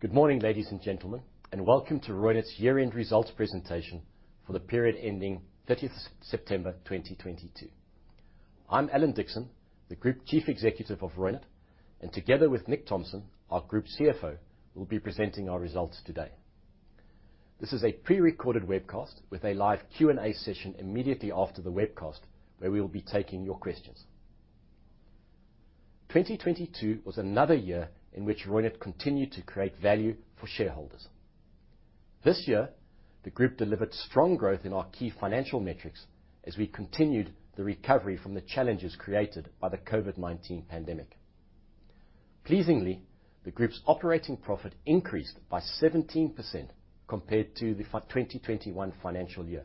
Good morning, ladies and gentlemen, welcome to Reunert's year-end results presentation for the period ending 30th September 2022. I'm Alan Dickson, the Group Chief Executive of Reunert, together with Nick Thomson, our Group CFO, we'll be presenting our results today. This is a pre-recorded webcast with a live Q&A session immediately after the webcast, where we will be taking your questions. 2022 was another year in which Reunert continued to create value for shareholders. This year, the Group delivered strong growth in our key financial metrics as we continued the recovery from the challenges created by the COVID-19 pandemic. Pleasingly, the Group's operating profit increased by 17% compared to the 2021 financial year.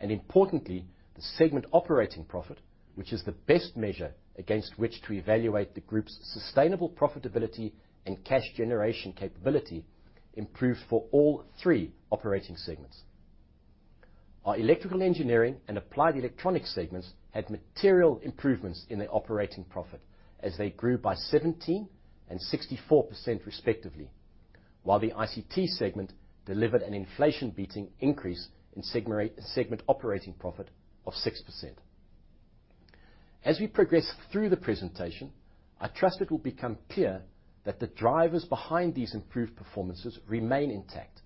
Importantly, the segment operating profit, which is the best measure against which to evaluate the Group's sustainable profitability and cash generation capability, improved for all three operating segments. Our Electrical Engineering and Applied Electronics segments had material improvements in their operating profit as they grew by 17% and 64% respectively, while the ICT segment delivered an inflation-beating increase in segment operating profit of 6%. As we progress through the presentation, I trust it will become clear that the drivers behind these improved performances remain intact,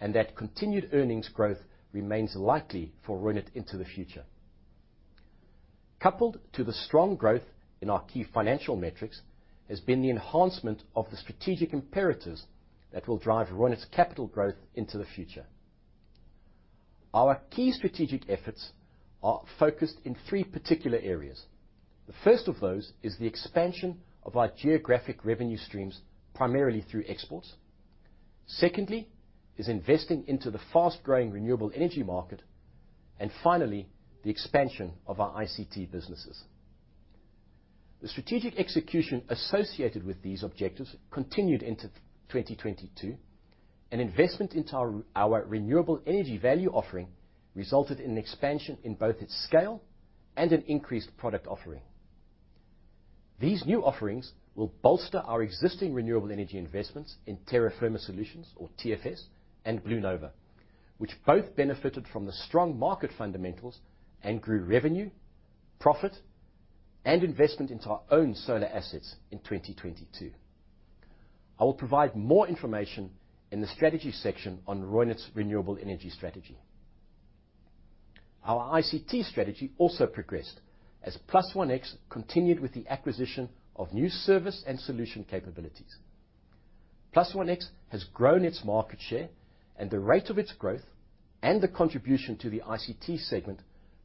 and that continued earnings growth remains likely for Reunert into the future. Coupled to the strong growth in our key financial metrics, has been the enhancement of the strategic imperatives that will drive Reunert's capital growth into the future. Our key strategic efforts are focused in three particular areas. The first of those is the expansion of our geographic revenue streams, primarily through exports. Secondly is investing into the fast-growing renewable energy market. And finally, the expansion of our ICT businesses. The strategic execution associated with these objectives continued into 2022. An investment into our renewable energy value offering resulted in an expansion in both its scale and an increased product offering. These new offerings will bolster our existing renewable energy investments in Terra Firma Solutions, or TFS, and BlueNova, which both benefited from the strong market fundamentals and grew revenue, profit, and investment into our own solar assets in 2022. I will provide more information in the strategy section on Reunert's renewable energy strategy. Our ICT strategy also progressed as +OneX continued with the acquisition of new service and solution capabilities. +OneX has grown its market share, and the rate of its growth and the contribution to the ICT segment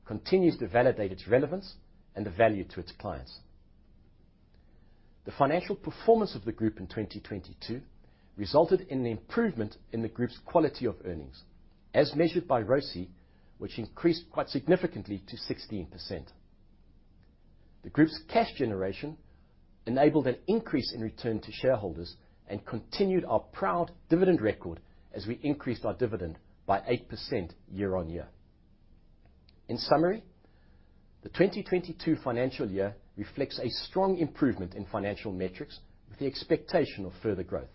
continues to validate its relevance and the value to its clients. The financial performance of the Group in 2022 resulted in an improvement in the Group's quality of earnings, as measured by ROCE, which increased quite significantly to 16%. The Group's cash generation enabled an increase in return to shareholders and continued our proud dividend record as we increased our dividend by 8% year-on-year. The 2022 financial year reflects a strong improvement in financial metrics with the expectation of further growth.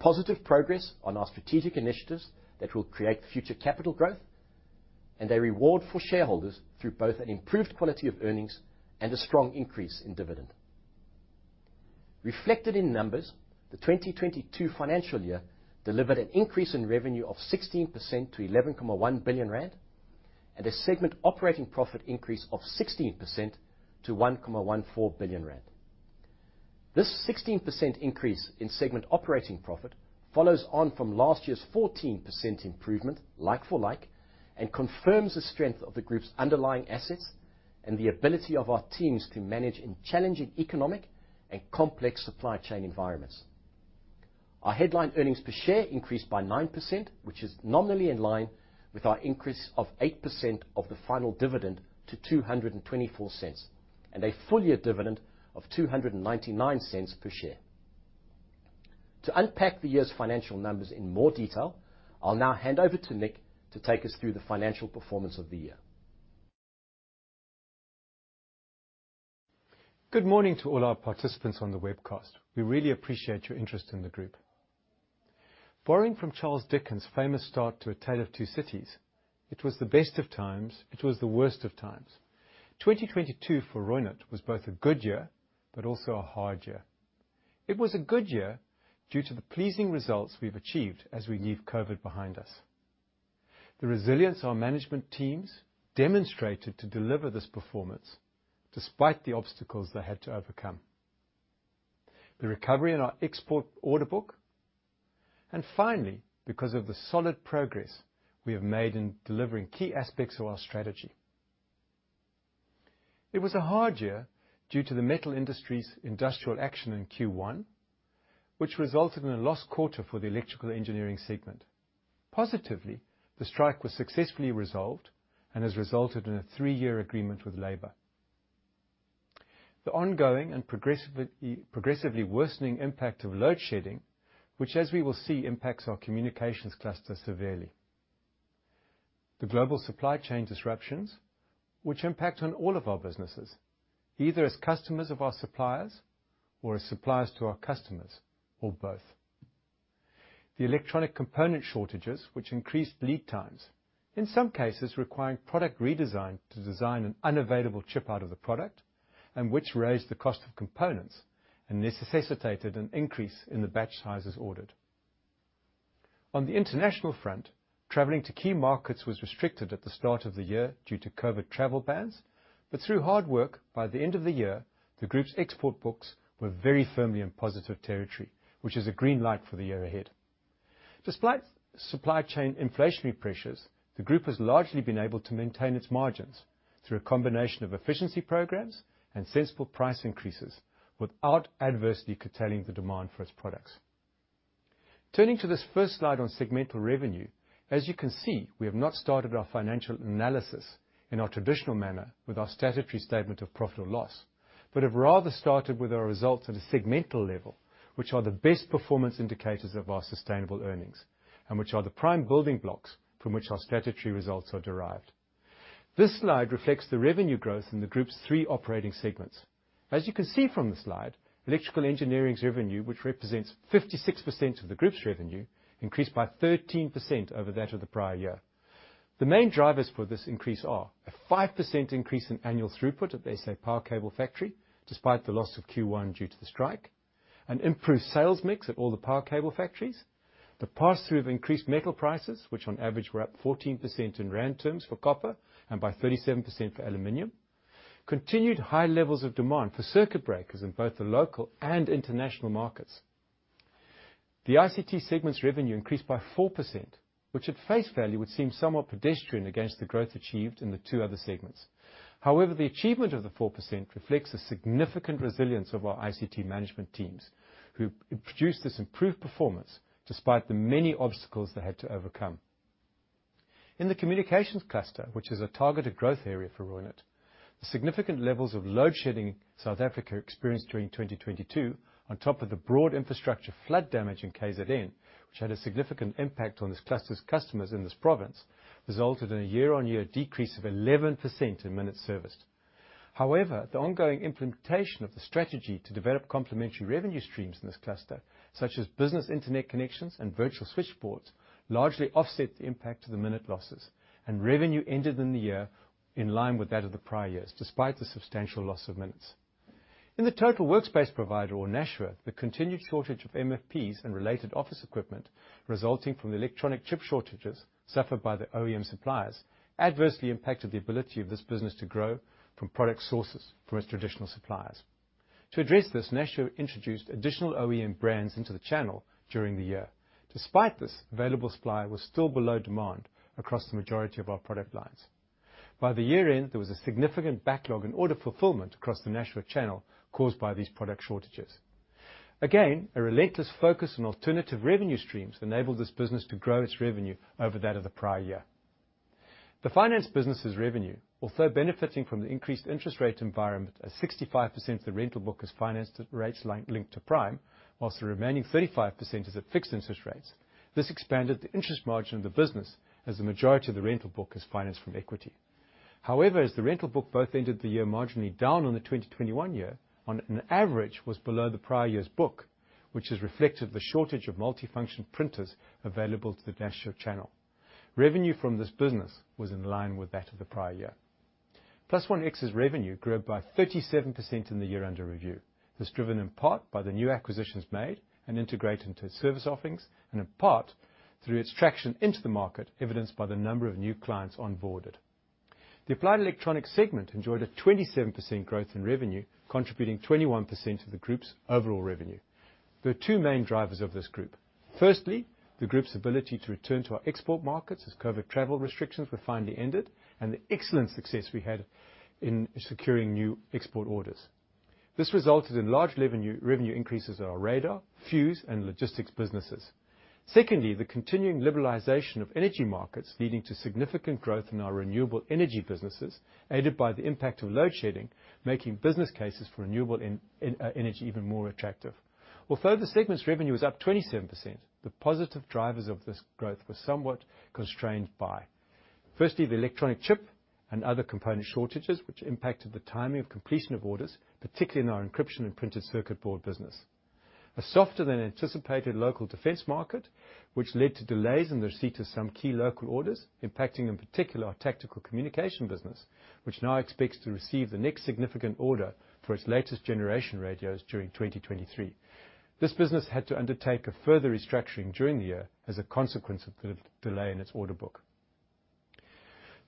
Positive progress on our strategic initiatives that will create future capital growth and a reward for shareholders through both an improved quality of earnings and a strong increase in dividend. Reflected in numbers, the 2022 financial year delivered an increase in revenue of 16% to 11.1 billion rand, and a segment operating profit increase of 16% to 1.14 billion rand. This 16% increase in segment operating profit follows on from last year's 14% improvement like for like, and confirms the strength of the Group's underlying assets and the ability of our teams to manage in challenging economic and complex supply chain environments. Our headline earnings per share increased by 9%, which is nominally in line with our increase of 8% of the final dividend to 2.24, and a full-year dividend of 2.99 per share. To unpack the year's financial numbers in more detail, I'll now hand over to Nick to take us through the financial performance of the year. Good morning to all our participants on the webcast. We really appreciate your interest in the group. Borrowing from Charles Dickens famous start to A Tale of Two Cities, "It was the best of times, it was the worst of times." 2022 for Reunert was both a good year, but also a hard year. It was a good year due to the pleasing results we've achieved as we leave COVID-19 behind us. The resilience our management teams demonstrated to deliver this performance despite the obstacles they had to overcome. The recovery in our export order book. Finally, because of the solid progress we have made in delivering key aspects of our strategy. It was a hard year due to the metal industry's industrial action in Q1, which resulted in a lost quarter for the Electrical Engineering segment Positively, the strike was successfully resolved and has resulted in a three-year agreement with labor. The ongoing and progressively worsening impact of load shedding, which as we will see impacts our communications cluster severely. The global supply chain disruptions, which impact on all of our businesses, either as customers of our suppliers or as suppliers to our customers, or both. The electronic component shortages, which increased lead times, in some cases, requiring product redesign to design an unavailable chip out of the product, and which raised the cost of components and necessitated an increase in the batch sizes ordered. On the international front, traveling to key markets was restricted at the start of the year due to COVID travel bans. Through hard work, by the end of the year, the group's export books were very firmly in positive territory, which is a green light for the year ahead. Despite supply chain inflationary pressures, the group has largely been able to maintain its margins through a combination of efficiency programs and sensible price increases without adversely curtailing the demand for its products. Turning to this first slide on segmental revenue, as you can see, we have not started our financial analysis in our traditional manner with our statutory statement of profit or loss. We have rather started with our results at a segmental level, which are the best performance indicators of our sustainable earnings, and which are the prime building blocks from which our statutory results are derived. This slide reflects the revenue growth in the group's three operating segments. As you can see from the slide, Electrical Engineering's revenue, which represents 56% of the group's revenue, increased by 13% over that of the prior year. The main drivers for this increase are: a 5% increase in annual throughput at the SA Power Cable factory despite the loss of Q1 due to the strike, an improved sales mix at all the power cable factories, the pass-through of increased metal prices, which on average were up 14% in rand terms for copper and by 37% for aluminum, continued high levels of demand for circuit breakers in both the local and international markets. The ICT segment's revenue increased by 4%, which at face value would seem somewhat pedestrian against the growth achieved in the two other segments. The achievement of the 4% reflects the significant resilience of our ICT management teams who produced this improved performance despite the many obstacles they had to overcome. In the communications cluster, which is a targeted growth area for Reunert, the significant levels of load shedding South Africa experienced during 2022 on top of the broad infrastructure flood damage in KZN, which had a significant impact on this cluster's customers in this province, resulted in a year-on-year decrease of 11% in minutes serviced. However, the ongoing implementation of the strategy to develop complementary revenue streams in this cluster, such as business internet connections and virtual switchboards, largely offset the impact to the minute losses, and revenue ended in the year in line with that of the prior years, despite the substantial loss of minutes. In the total workspace provider or Nashua, the continued shortage of MFPs and related office equipment resulting from the electronic chip shortages suffered by the OEM suppliers adversely impacted the ability of this business to grow from product sources from its traditional suppliers. To address this, Nashua introduced additional OEM brands into the channel during the year. Despite this, available supply was still below demand across the majority of our product lines. By the year-end, there was a significant backlog in order fulfillment across the Nashua channel caused by these product shortages. A relentless focus on alternative revenue streams enabled this business to grow its revenue over that of the prior year. The finance business's revenue, although benefiting from the increased interest rate environment, as 65% of the rental book is financed at rates linked to Prime, whilst the remaining 35% is at fixed interest rates. This expanded the interest margin of the business as the majority of the rental book is financed from equity. The rental book both ended the year marginally down on the 2021 year, on an average was below the prior year's book, which has reflected the shortage of multifunction printers available to the Nashua channel. Revenue from this business was in line with that of the prior .ear. +OneX's revenue grew by 37% in the year under review. This driven in part by the new acquisitions made and integrated into its service offerings, and in part through its traction into the market, evidenced by the number of new clients onboarded. The Applied Electronics segment enjoyed a 27% growth in revenue, contributing 21% to the group's overall revenue. There are two main drivers of this group. Firstly, the group's ability to return to our export markets as COVID travel restrictions were finally ended, and the excellent success we had in securing new export orders. This resulted in large revenue increases in our radar, fuse, and logistics businesses. Secondly, the continuing liberalization of energy markets leading to significant growth in our renewable energy businesses, aided by the impact of load shedding, making business cases for renewable energy even more attractive. Although the segment's revenue is up 27%, the positive drivers of this growth were somewhat constrained by, firstly, the electronic chip and other component shortages, which impacted the timing of completion of orders, particularly in our encryption and printed circuit board business. A softer than anticipated local defense market, which led to delays in the receipt of some key local orders, impacting in particular our tactical communication business, which now expects to receive the next significant order for its latest generation radios during 2023. This business had to undertake a further restructuring during the year as a consequence of the delay in its order book.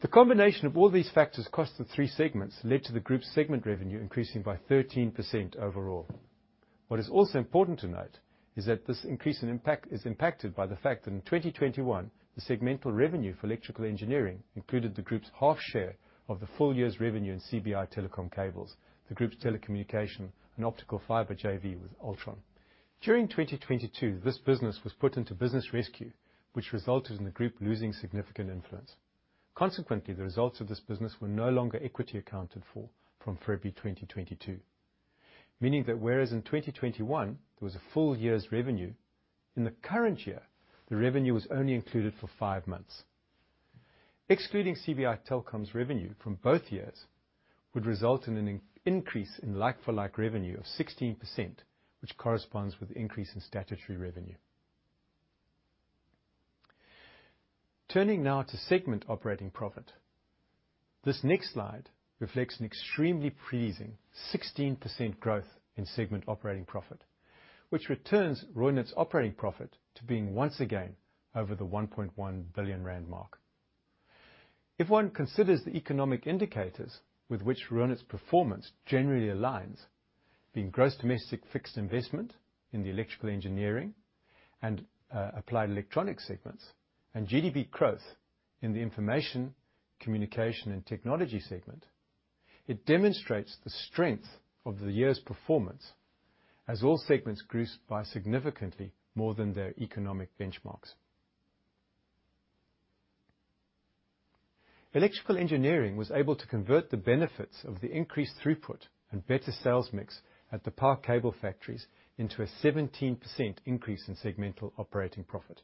The combination of all these factors across the three segments led to the group's segment revenue increasing by 13% overall. What is also important to note is that this increase in impact is impacted by the fact that in 2021, the segmental revenue for Electrical Engineering included the group's half share of the full year's revenue in CBi Telecom Cables, the group's telecommunication and optical fiber JV with Altron. During 2022, this business was put into business rescue, which resulted in the group losing significant influence. Consequently, the results of this business were no longer equity accounted for from February 2022. Meaning that whereas in 2021 there was a full year's revenue, in the current year, the revenue was only included for five months. Excluding CBi Telecoms revenue from both years would result in an increase in like-for-like revenue of 16%, which corresponds with the increase in statutory revenue. Turning now to segment operating profit. This next slide reflects an extremely pleasing 16% growth in segment operating profit, which returns Reunert's operating profit to being once again over the 1.1 billion rand mark. If one considers the economic indicators with which Reunert's performance generally aligns, being gross domestic fixed investment in the Electrical Engineering and Applied Electronics segments and GDP growth in the Information, Communication, and Technology segment, it demonstrates the strength of the year's performance as all segments grew by significantly more than their economic benchmarks. Electrical Engineering was able to convert the benefits of the increased throughput and better sales mix at the power cable factories into a 17% increase in segmental operating profit,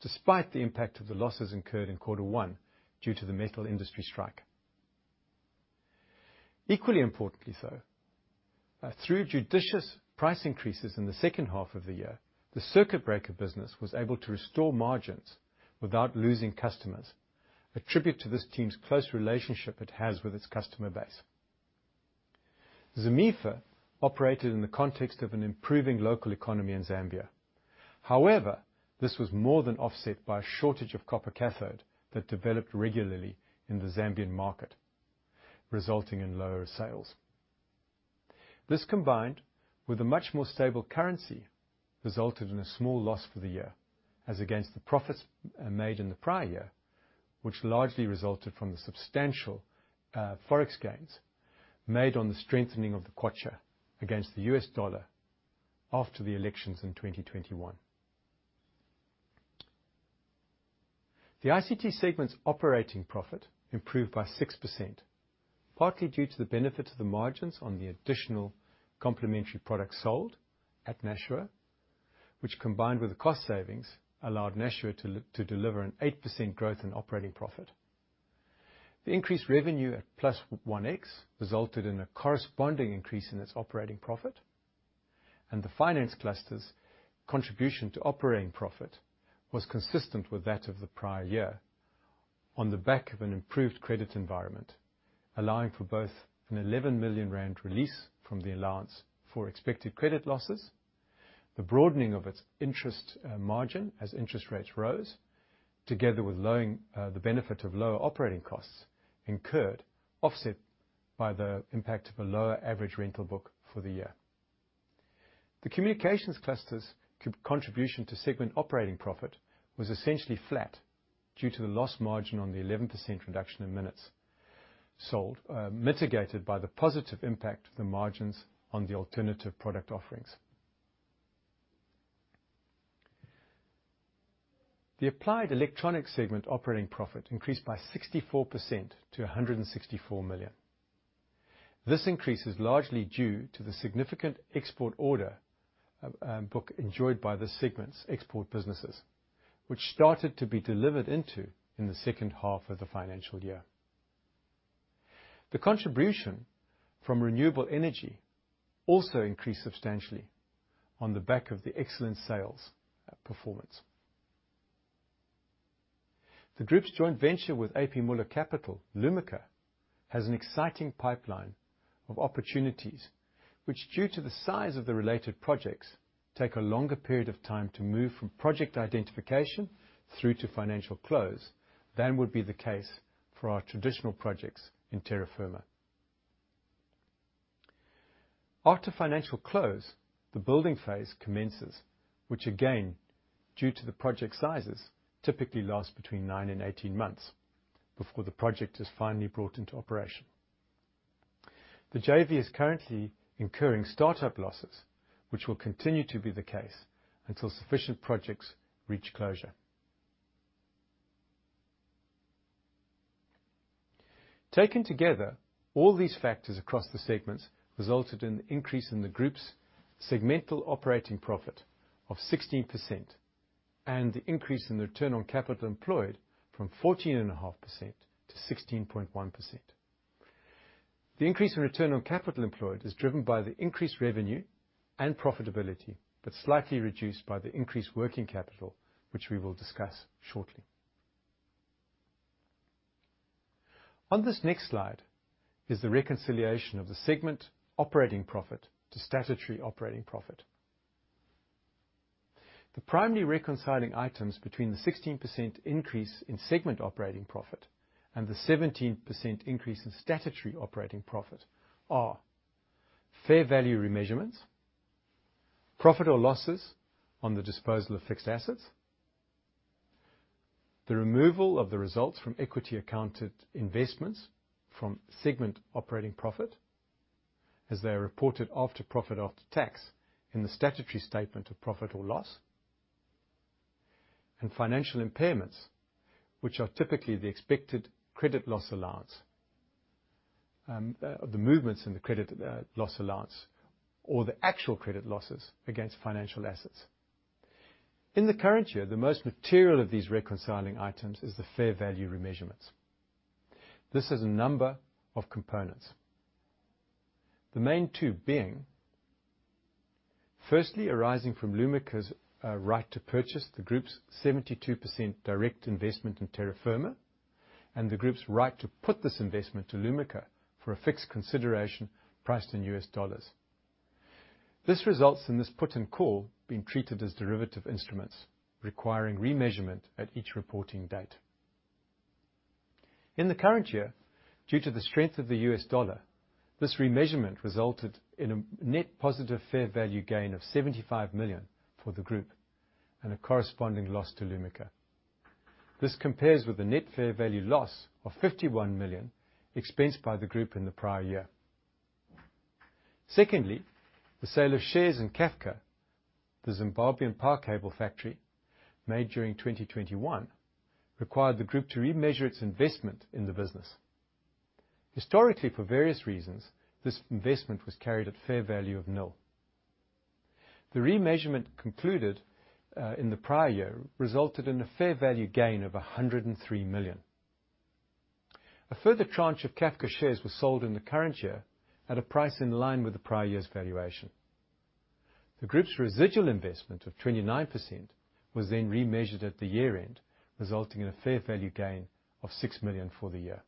despite the impact of the losses incurred in quarter one due to the metal industry strike. Equally importantly, though, through judicious price increases in the second half of the year, the circuit breaker business was able to restore margins without losing customers, a tribute to this team's close relationship it has with its customer base. ZAMEFA operated in the context of an improving local economy in Zambia. This was more than offset by a shortage of copper cathode that developed regularly in the Zambian market, resulting in lower sales. This, combined with a much more stable currency, resulted in a small loss for the year as against the profits made in the prior year, which largely resulted from the substantial Forex gains made on the strengthening of the kwacha against the U.S. dollar after the elections in 2021. The ICT segment's operating profit improved by 6%, partly due to the benefit of the margins on the additional complementary products sold at Nashua, which, combined with the cost savings, allowed Nashua to deliver an 8% growth in operating profit. The increased revenue at +OneX resulted in a corresponding increase in its operating profit, the finance cluster's contribution to operating profit was consistent with that of the prior year on the back of an improved credit environment, allowing for both a 11 million rand release from the allowance for expected credit losses, the broadening of its interest margin as interest rates rose, together with lowering the benefit of lower operating costs incurred, offset by the impact of a lower average rental book for the year. The communications cluster's contribution to segment operating profit was essentially flat due to the lost margin on the 11% reduction in minutes sold, mitigated by the positive impact of the margins on the alternative product offerings. The Applied Electronics segment operating profit increased by 64% to 164 million. This increase is largely due to the significant export order book enjoyed by the segment's export businesses, which started to be delivered into in the second half of the financial year. The contribution from renewable energy also increased substantially on the back of the excellent sales performance. The group's joint venture with A.P. Møller Capital, Lumika, has an exciting pipeline of opportunities which, due to the size of the related projects, take a longer period of time to move from project identification through to financial close than would be the case for our traditional projects in Terra Firma. After financial close, the building phase commences, which again, due to the project sizes, typically lasts between nine and 18 months before the project is finally brought into operation. The JV is currently incurring start-up losses, which will continue to be the case until sufficient projects reach closure. Taken together, all these factors across the segments resulted in the increase in the group's segmental operating profit of 16% and the increase in the return on capital employed from 14.5% to 16.1%. The increase in return on capital employed is driven by the increased revenue and profitability, slightly reduced by the increased working capital, which we will discuss shortly. On this next slide is the reconciliation of the segment operating profit to statutory operating profit. The primary reconciling items between the 16% increase in segment operating profit and the 17% increase in statutory operating profit are: fair value remeasurements, profit or losses on the disposal of fixed assets, the removal of the results from equity accounted investments from segment operating profit, as they are reported after profit after tax in the statutory Statement of Profit or Loss. Financial impairments, which are typically the expected credit loss allowance, the movements in the credit loss allowance or the actual credit losses against financial assets. In the current year, the most material of these reconciling items is the fair value remeasurements. This has a number of components. The main two being, firstly, arising from Lumika's right to purchase the group's 72% direct investment in Terra Firma and the group's right to put this investment to Lumika for a fixed consideration priced in U.S. dollars. This results in this put and call being treated as derivative instruments, requiring remeasurement at each reporting date. In the current year, due to the strength of the U.S. dollar, this remeasurement resulted in a net positive fair value gain of 75 million for the group and a corresponding loss to Lumika. This compares with the net fair value loss of 51 million expensed by the group in the prior year. Secondly, the sale of shares in CAFCA, the Zimbabwean power cable factory made during 2021, required the group to remeasure its investment in the business. Historically, for various reasons, this investment was carried at fair value of nil. The remeasurement concluded in the prior year resulted in a fair value gain of 103 million. A further tranche of CAFCA shares was sold in the current year at a price in line with the prior year's valuation. The group's residual investment of 29% was then remeasured at the year-end, resulting in a fair value gain of 6 million for the year.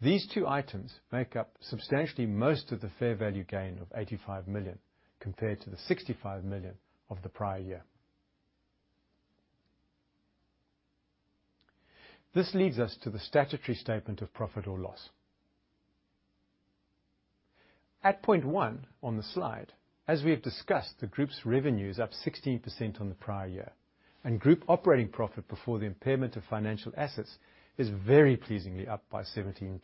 These two items make up substantially most of the fair value gain of 85 million compared to 65 million of the prior year. This leads us to the statutory statement of profit or loss. At point one on the slide, as we have discussed, the group's revenue is up 16% on the prior year and group operating profit before the impairment of financial assets is very pleasingly up by 17%.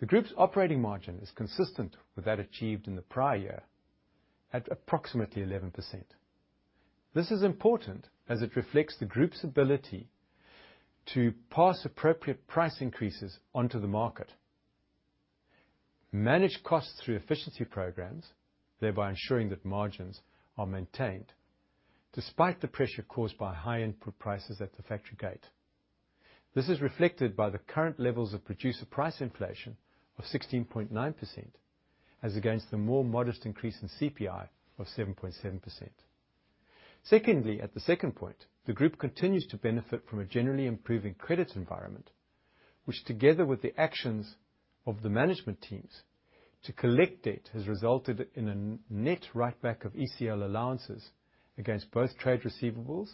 The group's operating margin is consistent with that achieved in the prior year at approximately 11%. This is important as it reflects the group's ability to pass appropriate price increases onto the market, manage costs through efficiency programs, thereby ensuring that margins are maintained despite the pressure caused by high input prices at the factory gate. This is reflected by the current levels of producer price inflation of 16.9% as against the more modest increase in CPI of 7.7%. At the second point, the group continues to benefit from a generally improving credit environment, which, together with the actions of the management teams to collect debt, has resulted in a net write-back of ECL allowances against both trade receivables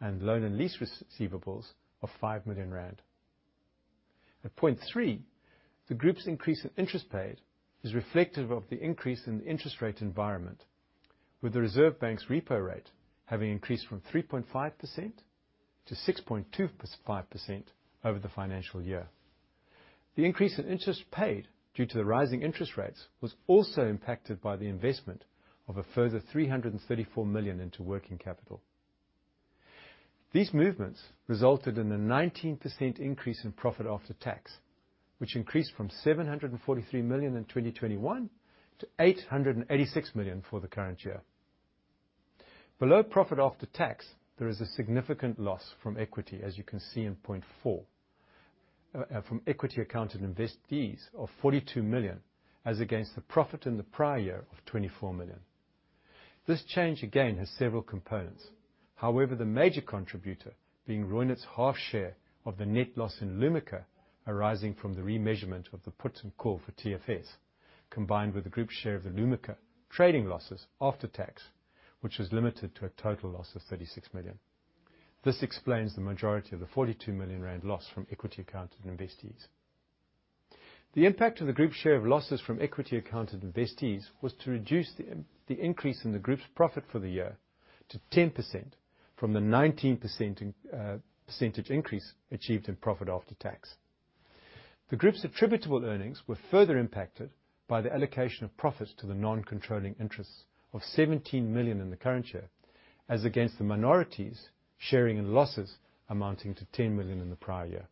and loan and lease receivables of 5 million rand. At point three, the group's increase in interest paid is reflective of the increase in the interest rate environment with the Reserve Bank's repo rate having increased from 3.5% to 6.25% over the financial year. The increase in interest paid due to the rising interest rates was also impacted by the investment of a further 334 million into working capital. These movements resulted in a 19% increase in profit after tax, which increased from 743 million in 2021 to 886 million for the current year. Below profit after tax, there is a significant loss from equity, as you can see in point four, from equity accounted investees of 42 million, as against the profit in the prior year of 24 million. This change again has several components. The major contributor being Reunert's half share of the net loss in Lumika arising from the remeasurement of the put and call for TFS, combined with the group's share of the Lumika trading losses after tax, which was limited to a total loss of 36 million. This explains the majority of the 42 million rand loss from equity accounted investees. The impact of the group's share of losses from equity accounted investees was to reduce the the increase in the group's profit for the year to 10% from the 19% percentage increase achieved in profit after tax. The group's attributable earnings were further impacted by the allocation of profit to the non-controlling interests of 17 million in the current year, as against the minorities' sharing in losses amounting to 10 million in the prior year,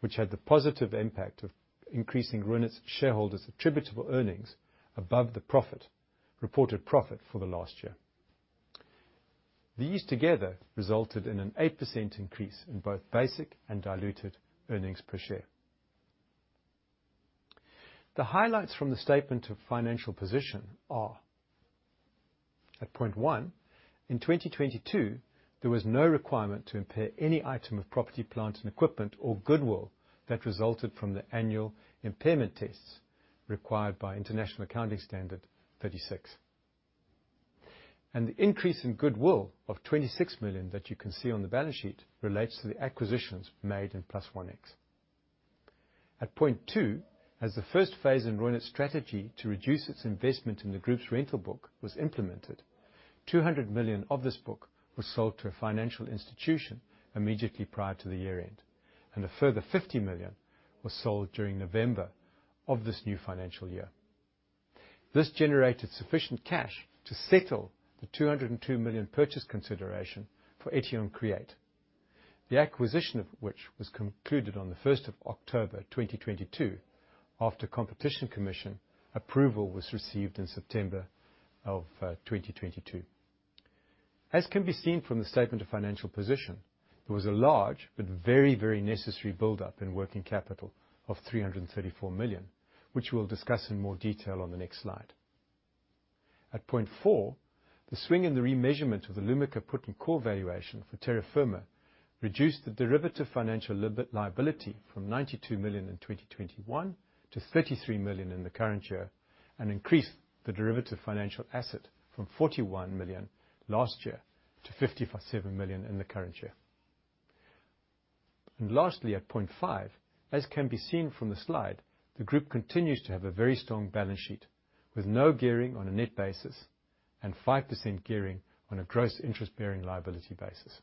which had the positive impact of increasing Reunert's shareholders' attributable earnings above the profit, reported profit for the last year. These together resulted in an 8% increase in both basic and diluted earnings per share. The highlights from the statement of financial position are, at point one, in 2022, there was no requirement to impair any item of property, plant, and equipment or goodwill that resulted from the annual impairment tests required by International Accounting Standard 36. The increase in goodwill of 26 million that you can see on the balance sheet relates to the acquisitions made in +OneX. At point two, as the first phase in Reunert's strategy to reduce its investment in the group's rental book was implemented, 200 million of this book was sold to a financial institution immediately prior to the year-end, and a further 50 million was sold during November of this new financial year. This generated sufficient cash to settle the 202 million purchase consideration for Etion Create. The acquisition of which was concluded on the 1st of October 2022 after Competition Commission approval was received in September 2022. As can be seen from the statement of financial position, there was a large but very, very necessary buildup in working capital of 334 million, which we'll discuss in more detail on the next slide. At point four, the swing in the remeasurement of the Lumika put and core valuation for Terra Firma reduced the derivative financial liability from 92 million in 2021 to 33 million in the current year, increased the derivative financial asset from 41 million last year to 57 million in the current year. Lastly, at point five, as can be seen from the slide, the group continues to have a very strong balance sheet with no gearing on a net basis and 5% gearing on a gross interest-bearing liability basis.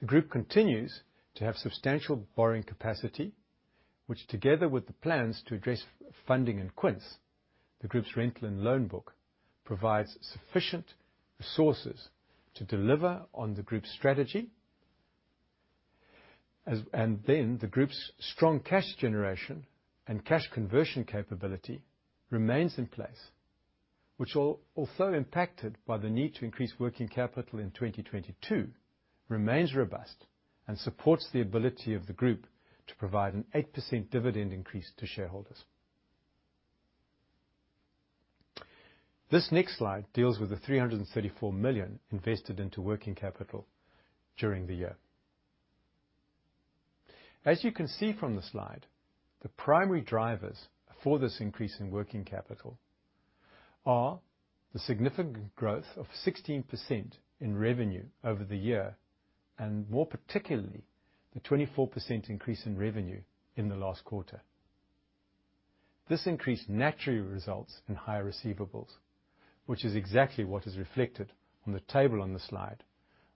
The group continues to have substantial borrowing capacity, which, together with the plans to address funding in Quince, the group's rental and loan book provides sufficient resources to deliver on the group's strategy. The group's strong cash generation and cash conversion capability remains in place, which although impacted by the need to increase working capital in 2022, remains robust and supports the ability of the group to provide an 8% dividend increase to shareholders. This next slide deals with the 334 million invested into working capital during the year. As you can see from the slide, the primary drivers for this increase in working capital are the significant growth of 16% in revenue over the year and more particularly, the 24% increase in revenue in the last quarter. This increase naturally results in higher receivables, which is exactly what is reflected on the table on the slide,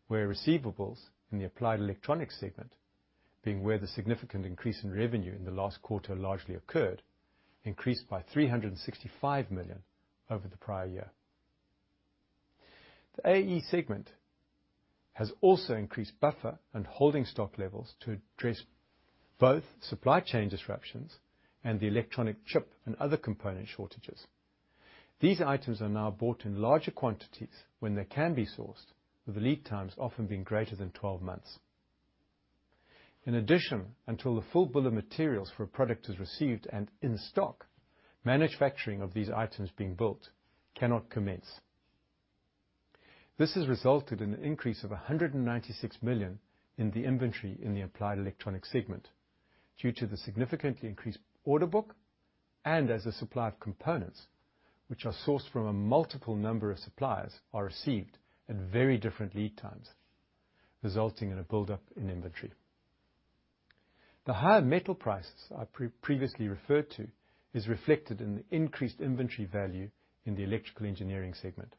where receivables in the Applied Electronics segment, being where the significant increase in revenue in the last quarter largely occurred, increased by 365 million over the prior year. The AE segment has also increased buffer and holding stock levels to address both supply chain disruptions and the electronic chip and other component shortages. These items are now bought in larger quantities when they can be sourced, with the lead times often being greater than 12 months. Until the full bill of materials for a product is received and in stock, manufacturing of these items being built cannot commence. This has resulted in an increase of 196 million in the inventory in the Applied Electronics segment due to the significantly increased order book and as a supply of components which are sourced from a multiple number of suppliers are received at very different lead times, resulting in a buildup in inventory. The higher metal prices I previously referred to is reflected in the increased inventory value in the Electrical Engineering segment.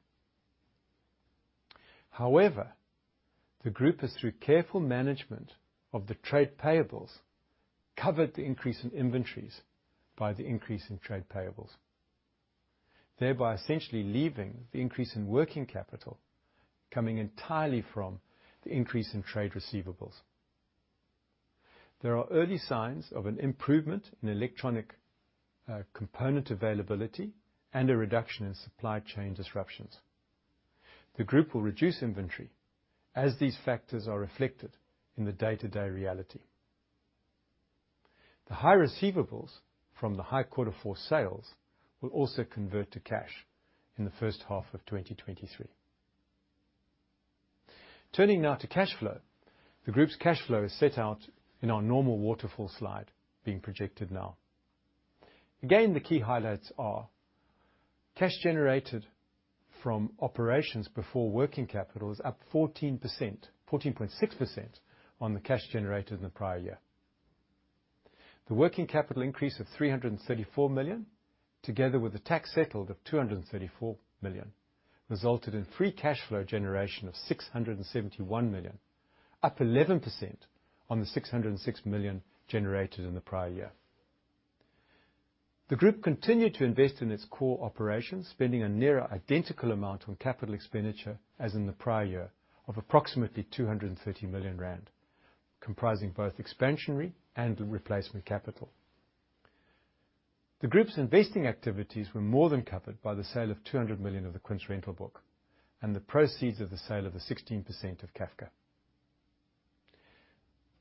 The group has, through careful management of the trade payables, covered the increase in inventories by the increase in trade payables, thereby essentially leaving the increase in working capital coming entirely from the increase in trade receivables. There are early signs of an improvement in electronic component availability and a reduction in supply chain disruptions. The group will reduce inventory as these factors are reflected in the day-to-day reality. The high receivables from the high quarter four sales will also convert to cash in the first half of 2023. Turning now to cash flow. The group's cash flow is set out in our normal waterfall slide being projected now. Again, the key highlights are cash generated from operations before working capital is up 14%, 14.6% on the cash generated in the prior year. The working capital increase of 334 million, together with the tax settled of 234 million, resulted in free cash flow generation of 671 million, up 11% on the 606 million generated in the prior year. The group continued to invest in its core operations, spending a near identical amount on CapEx as in the prior year of approximately 230 million rand, comprising both expansionary and replacement capital. The group's investing activities were more than covered by the sale of 200 million of the Quince Rental book and the proceeds of the sale of the 16% of CAFCA.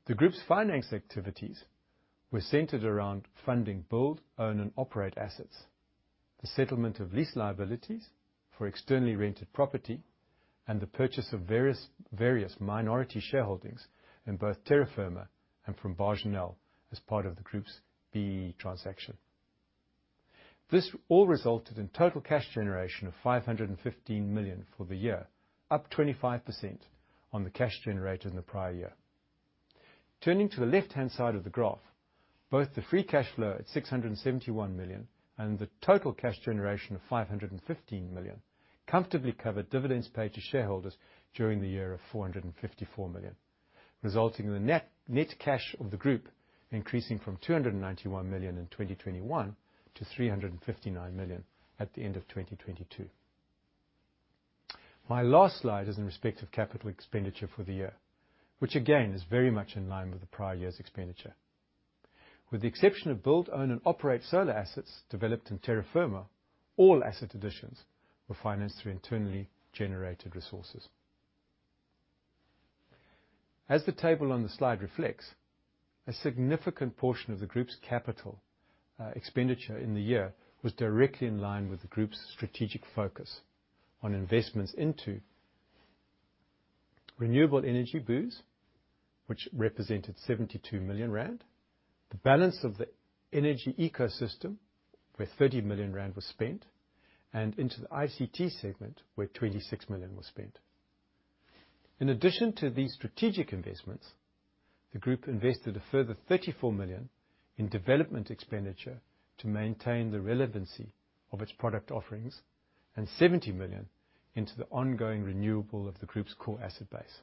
The group's finance activities were centered around funding build, own and operate assets, the settlement of lease liabilities for externally rented property, and the purchase of various minority shareholdings in both Terra Firma and from Bargenel as part of the group's BEE transaction. This all resulted in total cash generation of 515 million for the year, up 25% on the cash generated in the prior year. Turning to the left-hand side of the graph, both the free cash flow at 671 million and the total cash generation of 515 million comfortably covered dividends paid to shareholders during the year of 454 million. Resulting in the net-net cash of the group increasing from 291 million in 2021 to 359 million at the end of 2022. My last slide is in respect of capital expenditure for the year, which again is very much in line with the prior year's expenditure. With the exception of Build-Own-Operate solar assets developed in Terra Firma, all asset additions were financed through internally generated resources. As the table on the slide reflects, a significant portion of the group's capital expenditure in the year was directly in line with the group's strategic focus on investments into renewable energy BOOs, which represented 72 million rand. The balance of the energy ecosystem, where 30 million rand was spent, and into the ICT segment, where 26 million was spent. In addition to these strategic investments, the group invested a further 34 million in development expenditure to maintain the relevancy of its product offerings and 70 million into the ongoing renewable of the group's core asset base.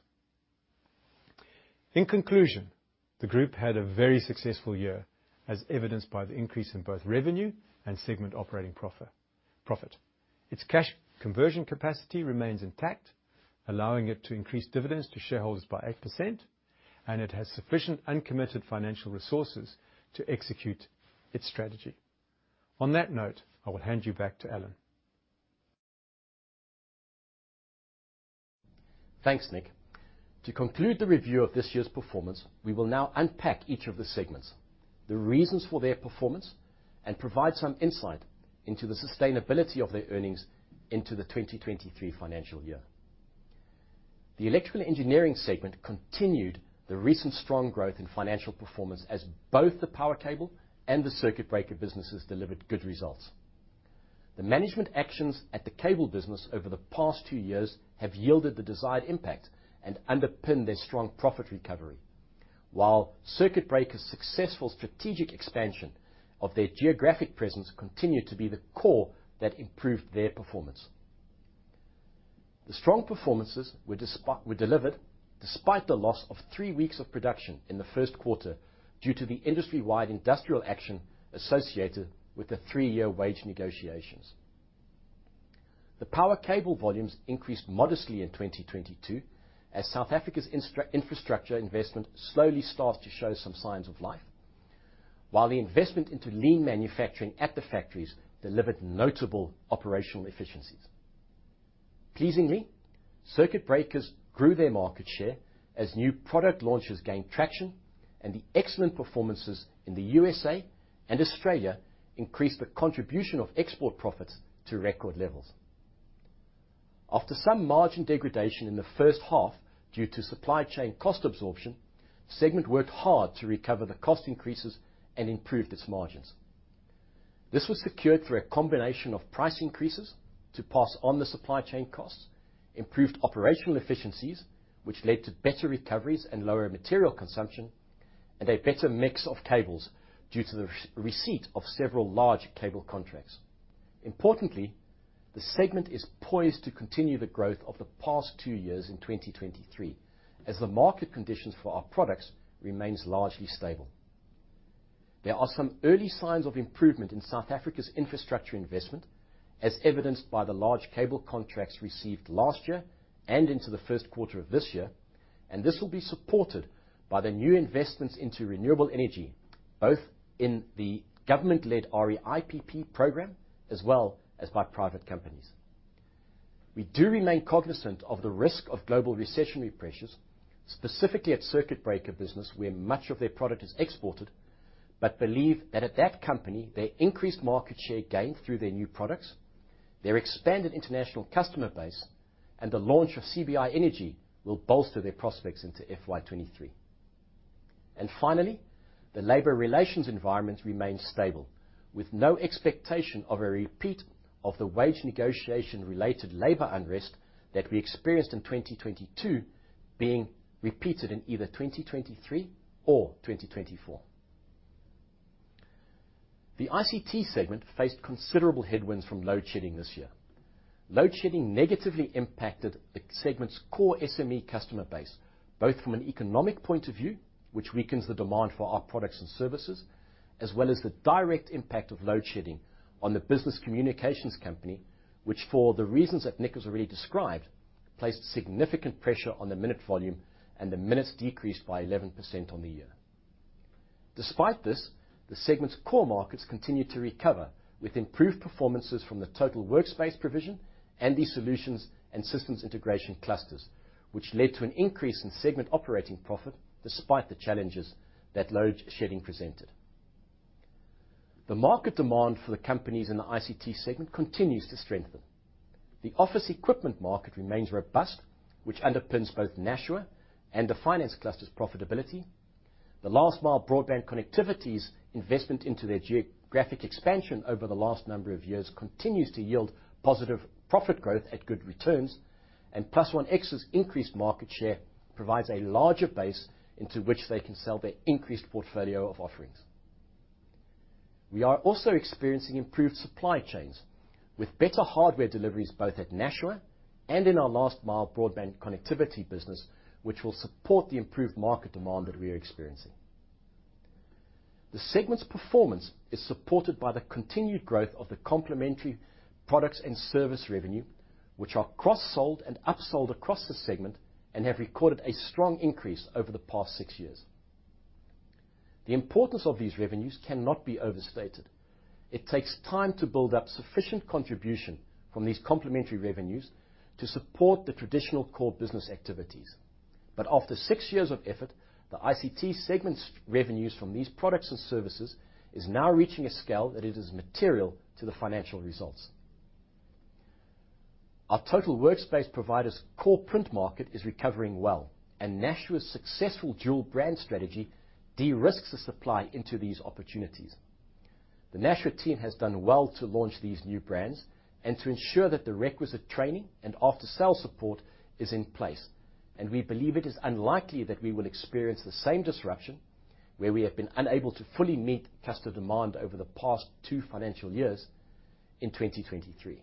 In conclusion, the group had a very successful year, as evidenced by the increase in both revenue and segment operating profit. Its cash conversion capacity remains intact, allowing it to increase dividends to shareholders by 8%. It has sufficient uncommitted financial resources to execute its strategy. On that note, I will hand you back to Alan. Thanks, Nick. To conclude the review of this year's performance, we will now unpack each of the segments, the reasons for their performance, and provide some insight into the sustainability of their earnings into the 2023 financial year. The Electrical Engineering segment continued the recent strong growth in financial performance as both the power cable and the circuit breaker businesses delivered good results. The management actions at the cable business over the past two years have yielded the desired impact and underpinned their strong profit recovery. While circuit breakers' successful strategic expansion of their geographic presence continued to be the core that improved their performance. The strong performances were delivered despite the loss of three weeks of production in the first quarter due to the industry-wide industrial action associated with the three-year wage negotiations. The power cable volumes increased modestly in 2022 as South Africa's infrastructure investment slowly started to show some signs of life. While the investment into lean manufacturing at the factories delivered notable operational efficiencies. Pleasingly, circuit breakers grew their market share as new product launches gained traction and the excellent performances in the U.S.A and Australia increased the contribution of export profits to record levels. After some margin degradation in the first half due to supply chain cost absorption, the segment worked hard to recover the cost increases and improve its margins. This was secured through a combination of price increases to pass on the supply chain costs, improved operational efficiencies, which led to better recoveries and lower material consumption, and a better mix of cables due to the re-receipt of several large cable contracts. Importantly, the segment is poised to continue the growth of the past two years in 2023 as the market conditions for our products remains largely stable. There are some early signs of improvement in South Africa's infrastructure investment, as evidenced by the large cable contracts received last year and into the first quarter of this year. This will be supported by the new investments into renewable energy, both in the government-led REIPPP program as well as by private companies. We do remain cognizant of the risk of global recessionary pressures, specifically at circuit breaker business, where much of their product is exported, but believe that at that company, their increased market share gained through their new products, their expanded international customer base, and the launch of CBi: Energy will bolster their prospects into FY 2023. Finally, the labor relations environment remains stable, with no expectation of a repeat of the wage negotiation-related labor unrest that we experienced in 2022 being repeated in either 2023 or 2024. The ICT segment faced considerable headwinds from load shedding this year. Load shedding negatively impacted the segment's core SME customer base, both from an economic point of view, which weakens the demand for our products and services, as well as the direct impact of load shedding on the business communications company, which for the reasons that Nick has already described, placed significant pressure on the minute volume, and the minutes decreased by 11% on the year. Despite this, the segment's core markets continued to recover with improved performances from the total workspace provision and the solutions and systems integration clusters, which led to an increase in segment operating profit despite the challenges that load shedding presented. The market demand for the companies in the ICT segment continues to strengthen. The office equipment market remains robust, which underpins both Nashua and the finance cluster's profitability. The last-mile broadband connectivity's investment into their geographic expansion over the last number of years continues to yield positive profit growth at good returns, and +OneX's increased market share provides a larger base into which they can sell their increased portfolio of offerings. We are also experiencing improved supply chains with better hardware deliveries both at Nashua and in our last-mile broadband connectivity business, which will support the improved market demand that we are experiencing. The segment's performance is supported by the continued growth of the complementary products and service revenue, which are cross-sold and upsold across the segment and have recorded a strong increase over the past six years. The importance of these revenues cannot be overstated. It takes time to build up sufficient contribution from these complementary revenues to support the traditional core business activities. After six years of effort, the ICT segment's revenues from these products and services is now reaching a scale that it is material to the financial results. Our total workspace provider's core print market is recovering well, and Nashua's successful dual brand strategy de-risks the supply into these opportunities. The Nashua team has done well to launch these new brands and to ensure that the requisite training and after-sale support is in place, and we believe it is unlikely that we will experience the same disruption where we have been unable to fully meet customer demand over the past two financial years in 2023.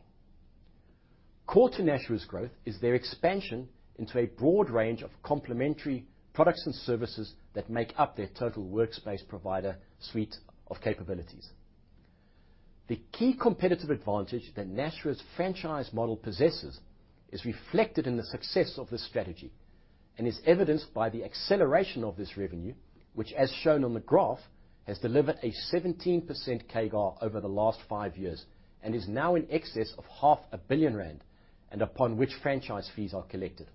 Core to Nashua's growth is their expansion into a broad range of complementary products and services that make up their Total Workspace Provider suite of capabilities. The key competitive advantage that Nashua's franchise model possesses is reflected in the success of this strategy and is evidenced by the acceleration of this revenue, which, as shown on the graph, has delivered a 17% CAGR over the last five years and is now in excess of half a billion rand and upon which franchise fees are collected.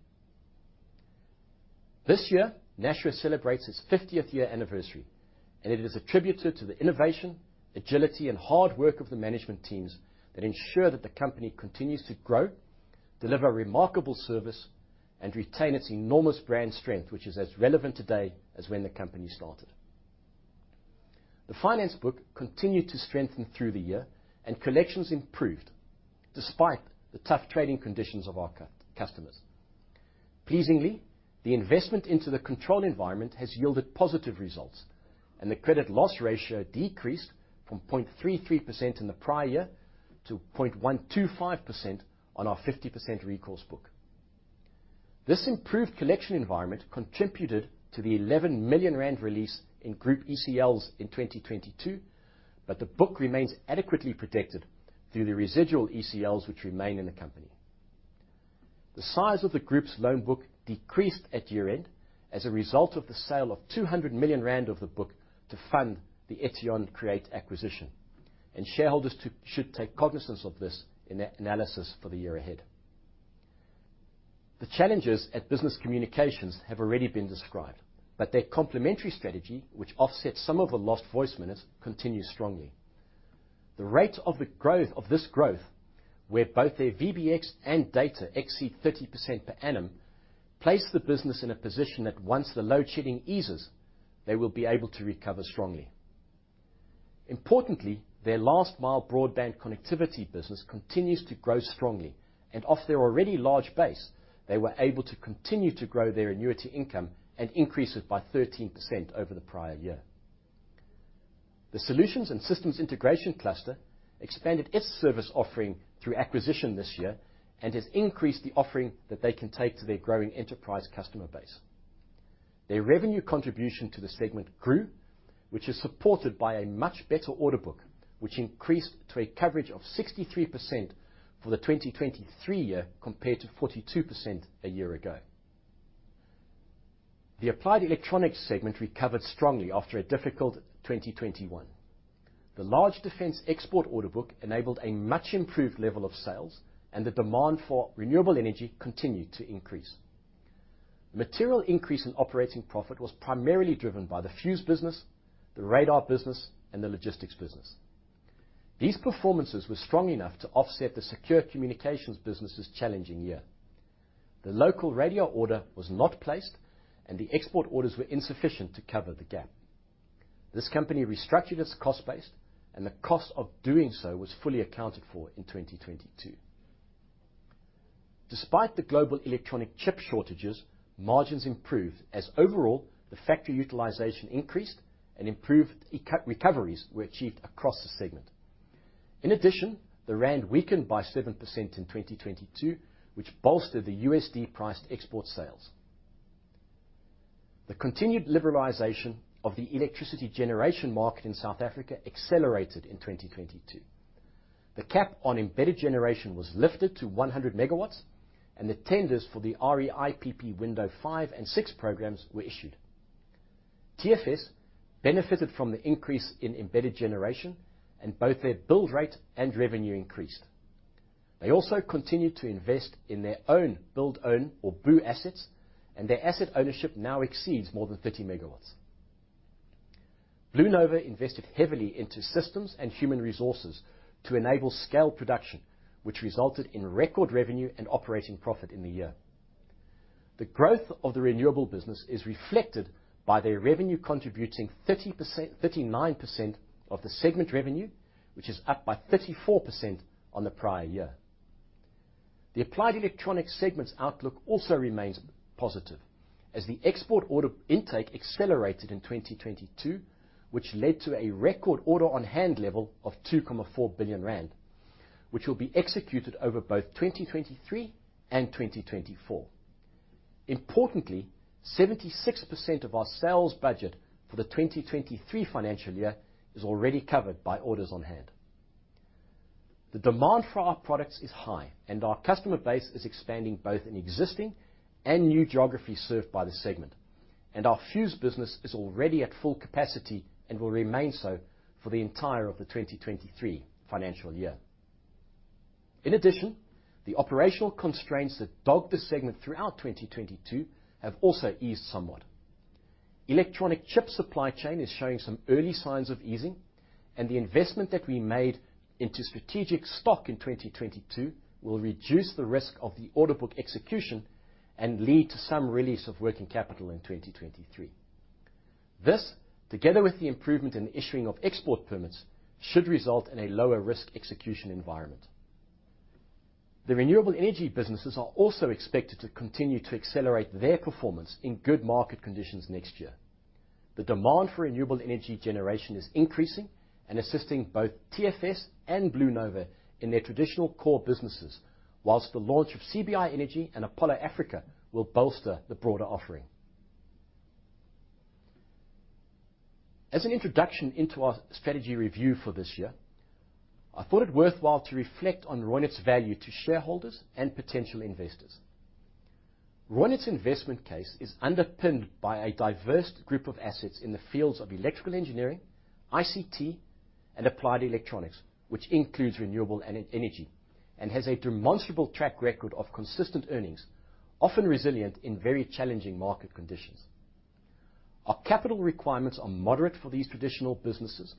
This year, Nashua celebrates its 50th-year anniversary. It is attributed to the innovation, agility, and hard work of the management teams that ensure that the company continues to grow, deliver remarkable service, and retain its enormous brand strength, which is as relevant today as when the company started. The finance book continued to strengthen through the year. Collections improved despite the tough trading conditions of our cut-customers. Pleasingly, the investment into the control environment has yielded positive results. The credit loss ratio decreased from 0.33% in the prior year to 0.125% on our 50% recourse book. This improved collection environment contributed to the 11 million rand release in Group ECLs in 2022. The book remains adequately protected through the residual ECLs which remain in the company. The size of the group's loan book decreased at year-end as a result of the sale of 200 million rand of the book to fund the Etion Create acquisition. Shareholders should take cognizance of this in their analysis for the year ahead. The challenges at Business Communications have already been described. Their complementary strategy, which offsets some of the lost voice minutes, continues strongly. The rate of this growth, where both their VBX and data exceed 30% per annum, place the business in a position that once the load shedding eases, they will be able to recover strongly. Importantly, their last-mile broadband connectivity business continues to grow strongly. Off their already large base, they were able to continue to grow their annuity income and increase it by 13% over the prior year. The solutions and systems integration cluster expanded its service offering through acquisition this year and has increased the offering that they can take to their growing enterprise customer base. Their revenue contribution to the segment grew, which is supported by a much better order book, which increased to a coverage of 63% for the 2023 year compared to 42% a year ago. The Applied Electronics segment recovered strongly after a difficult 2021. The large defense export order book enabled a much improved level of sales, the demand for renewable energy continued to increase. Material increase in operating profit was primarily driven by the fuse business, the radar business, and the logistics business. These performances were strong enough to offset the secure communications business' challenging year. The local radio order was not placed, the export orders were insufficient to cover the gap. This company restructured its cost base, and the cost of doing so was fully accounted for in 2022. Despite the global electronic chip shortages, margins improved as overall the factory utilization increased and improved recoveries were achieved across the segment. In addition, the rand weakened by 7% in 2022, which bolstered the USD-priced export sales. The continued liberalization of the electricity generation market in South Africa accelerated in 2022. The cap on embedded generation was lifted to 100 MW, and the tenders for the REIPPP Window 5 and 6 programs were issued. TFS benefited from the increase in embedded generation, and both their build rate and revenue increased. They also continued to invest in their own build own, or BOO assets, and their asset ownership now exceeds more than 30 MW. BlueNova invested heavily into systems and human resources to enable scale production, which resulted in record revenue and operating profit in the year. The growth of the renewable business is reflected by their revenue contributing 39% of the segment revenue, which is up by 34% on the prior year. The Applied Electronics segment's outlook also remains positive as the export order intake accelerated in 2022, which led to a record order on hand level of 2.4 billion rand, which will be executed over both 2023 and 2024. Importantly, 76% of our sales budget for the 2023 financial year is already covered by orders on hand. The demand for our products is high, and our customer base is expanding both in existing and new geographies served by the segment. Our fuse business is already at full capacity and will remain so for the entire of the 2023 financial year. In addition, the operational constraints that dogged the segment throughout 2022 have also eased somewhat. Electronic chip supply chain is showing some early signs of easing, and the investment that we made into strategic stock in 2022 will reduce the risk of the order book execution and lead to some release of working capital in 2023. This, together with the improvement in issuing of export permits, should result in a lower risk execution environment. The renewable energy businesses are also expected to continue to accelerate their performance in good market conditions next year. The demand for renewable energy generation is increasing and assisting both TFS and BlueNova in their traditional core businesses, while the launch of CBi: Energy and Apollo Africa will bolster the broader offering. As an introduction into our strategy review for this year, I thought it worthwhile to reflect on Reunert's value to shareholders and potential investors. Reunert's investment case is underpinned by a diverse group of assets in the fields of Electrical Engineering, ICT, and Applied Electronics, which includes renewable energy and has a demonstrable track record of consistent earnings, often resilient in very challenging market conditions. Our capital requirements are moderate for these traditional businesses,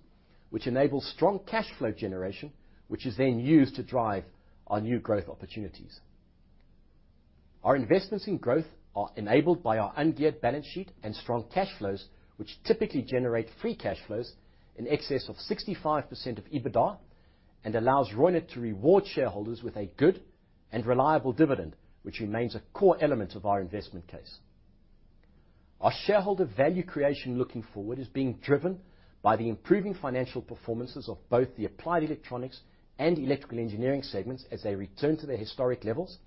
which enable strong cash flow generation, which is then used to drive our new growth opportunities. Our investments in growth are enabled by our ungeared balance sheet and strong cash flows, which typically generate free cash flows in excess of 65% of EBITDA and allows Reunert to reward shareholders with a good and reliable dividend, which remains a core element of our investment case. Our shareholder value creation looking forward is being driven by the improving financial performances of both the Applied Electronics and Electrical Engineering segments as they return to their historic levels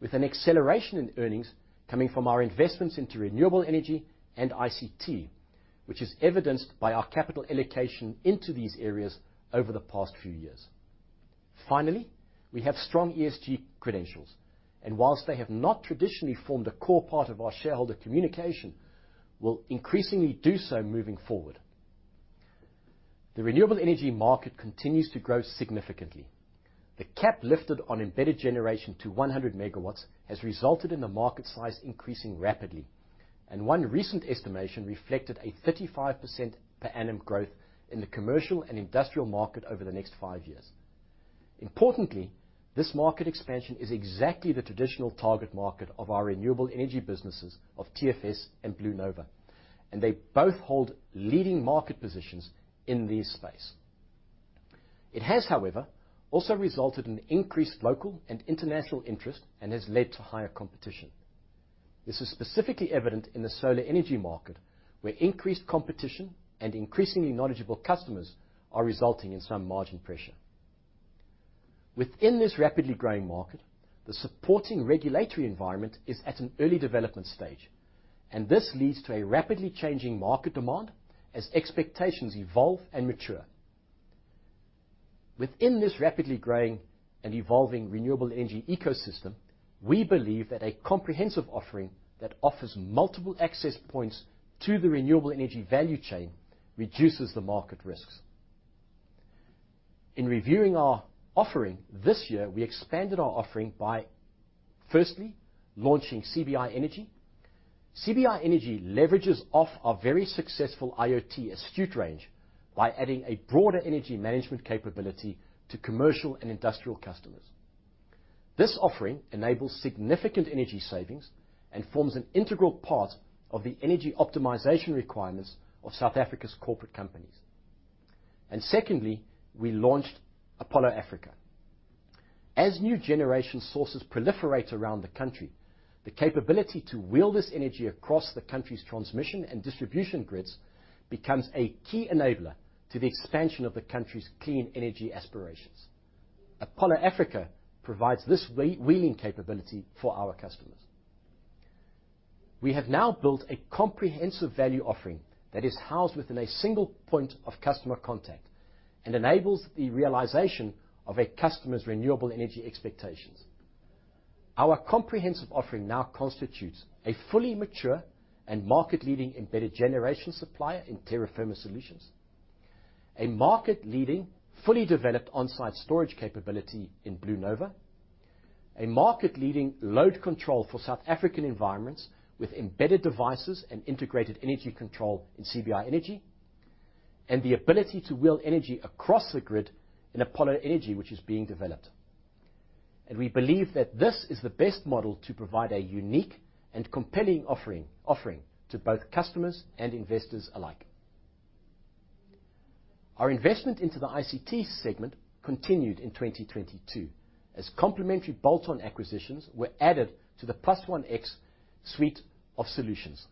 with an acceleration in earnings coming from our investments into renewable energy and ICT, which is evidenced by our capital allocation into these areas over the past few years. Finally, we have strong ESG credentials, and whilst they have not traditionally formed a core part of our shareholder communication, will increasingly do so moving forward. The renewable energy market continues to grow significantly. The cap lifted on embedded generation to 100 MW has resulted in the market size increasing rapidly. One recent estimation reflected a 35% per annum growth in the commercial and industrial market over the next five years. Importantly, this market expansion is exactly the traditional target market of our renewable energy businesses of TFS and BlueNova. They both hold leading market positions in this space. It has, however, also resulted in increased local and international interest and has led to higher competition. This is specifically evident in the solar energy market, where increased competition and increasingly knowledgeable customers are resulting in some margin pressure. Within this rapidly growing market, the supporting regulatory environment is at an early development stage. This leads to a rapidly changing market demand as expectations evolve and mature. Within this rapidly growing and evolving renewable energy ecosystem, we believe that a comprehensive offering that offers multiple access points to the renewable energy value chain reduces the market risks. In reviewing our offering this year, we expanded our offering by firstly launching CBi-Energy. CBi-Energy leverages off our very successful IoT Astute Range by adding a broader energy management capability to commercial and industrial customers. This offering enables significant energy savings and forms an integral part of the energy optimization requirements of South Africa's corporate companies. Secondly, we launched Apollo Africa. As new generation sources proliferate around the country, the capability to wheel this energy across the country's transmission and distribution grids becomes a key enabler to the expansion of the country's clean energy aspirations. Apollo Africa provides this wheeling capability for our customers. We have now built a comprehensive value offering that is housed within a single point of customer contact and enables the realization of a customer's renewable energy expectations. Our comprehensive offering now constitutes a fully mature and market-leading embedded generation supplier in Terra Firma Solutions, a market-leading, fully developed on-site storage capability in BlueNova, a market-leading load control for South African environments with embedded devices and integrated energy control in CBi-Energy, and the ability to wheel energy across the grid in Apollo Africa, which is being developed. We believe that this is the best model to provide a unique and compelling offering to both customers and investors alike. Our investment into the ICT segment continued in 2022 as complementary bolt-on acquisitions were added to the +OneX suite of solutions.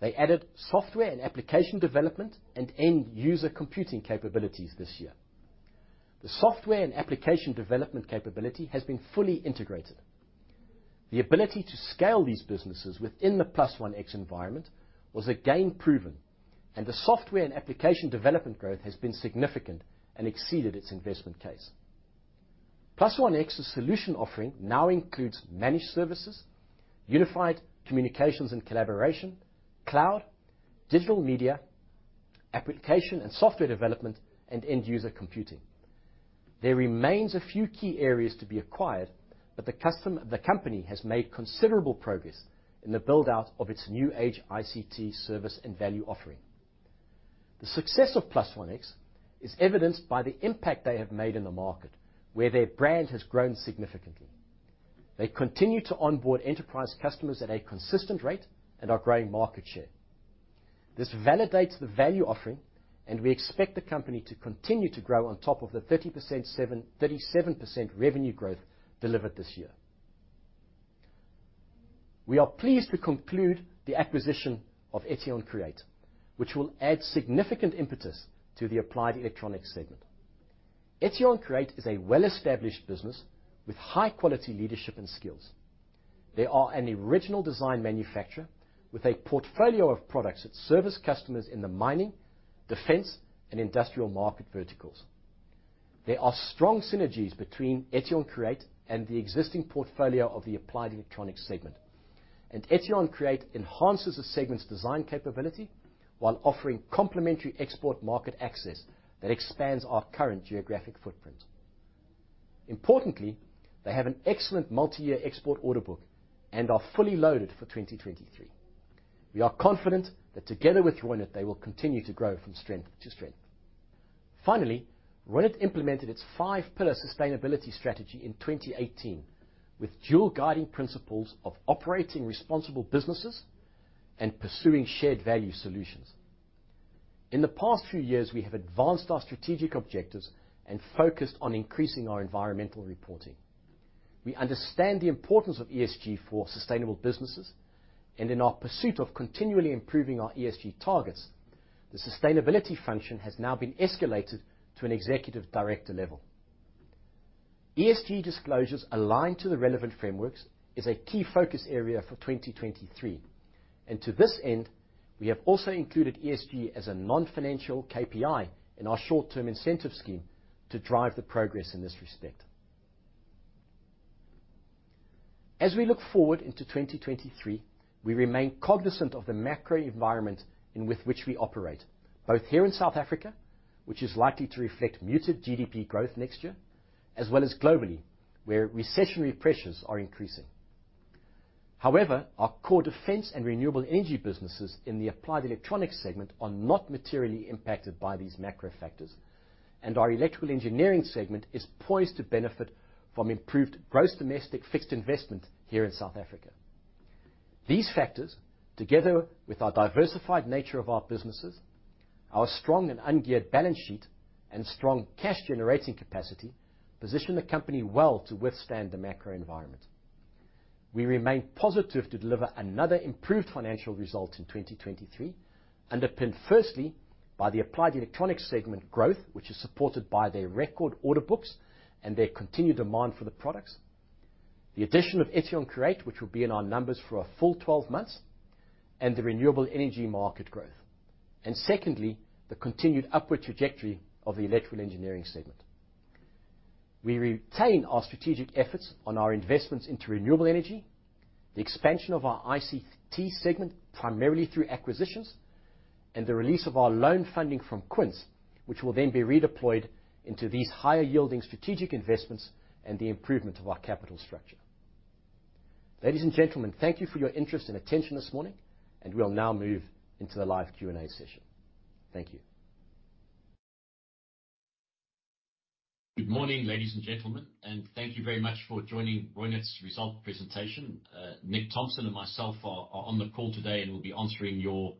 They added software and application development and end user computing capabilities this year. The software and application development capability has been fully integrated. The ability to scale these businesses within the +OneX environment was again proven. The software and application development growth has been significant and exceeded its investment case. +OneX's solution offering now includes managed services, unified communications and collaboration, cloud, digital media, application and software development, and end user computing. There remains a few key areas to be acquired. The company has made considerable progress in the build-out of its new age ICT service and value offering. The success of +OneX is evidenced by the impact they have made in the market, where their brand has grown significantly. They continue to onboard enterprise customers at a consistent rate and are growing market share. This validates the value offering. We expect the company to continue to grow on top of the 37% revenue growth delivered this year. We are pleased to conclude the acquisition of Etion Create, which will add significant impetus to the Applied Electronics segment. Etion Create is a well-established business with high-quality leadership and skills. They are an original design manufacturer with a portfolio of products that service customers in the mining, defense, and industrial market verticals. There are strong synergies between Etion Create and the existing portfolio of the Applied Electronics segment. Etion Create enhances the segment's design capability while offering complementary export market access that expands our current geographic footprint. Importantly, they have an excellent multi-year export order book and are fully loaded for 2023. We are confident that together with Reunert, they will continue to grow from strength to strength. Finally, Reunert implemented its five-pillar sustainability strategy in 2018, with dual guiding principles of operating responsible businesses and pursuing shared value solutions. In the past few years, we have advanced our strategic objectives and focused on increasing our environmental reporting. We understand the importance of ESG for sustainable businesses, and in our pursuit of continually improving our ESG targets, the sustainability function has now been escalated to an executive director level. ESG disclosures aligned to the relevant frameworks is a key focus area for 2023. To this end, we have also included ESG as a non-financial KPI in our short-term incentive scheme to drive the progress in this respect. As we look forward into 2023, we remain cognizant of the macro environment in with which we operate, both here in South Africa, which is likely to reflect muted GDP growth next year, as well as globally, where recessionary pressures are increasing. However, our core defense and renewable energy businesses in the Applied Electronics segment are not materially impacted by these macro factors. Our Electrical Engineering segment is poised to benefit from improved gross domestic fixed investment here in South Africa. These factors, together with our diversified nature of our businesses, our strong and ungeared balance sheet, and strong cash generating capacity, position the company well to withstand the macro environment. We remain positive to deliver another improved financial result in 2023, underpinned firstly by the Applied Electronics segment growth, which is supported by their record order books and their continued demand for the products. The addition of Etion Create, which will be in our numbers for a full 12 months, and the renewable energy market growth. Secondly, the continued upward trajectory of the Electrical Engineering segment. We retain our strategic efforts on our investments into renewable energy, the expansion of our ICT segment, primarily through acquisitions, and the release of our loan funding from Quince, which will then be redeployed into these higher yielding strategic investments and the improvement of our capital structure. Ladies and gentlemen, thank you for your interest and attention this morning, and we'll now move into the live Q&A session. Thank you. Good morning, ladies and gentlemen, thank you very much for joining Reunert's result presentation. Nick Thomson and myself are on the call today and will be answering your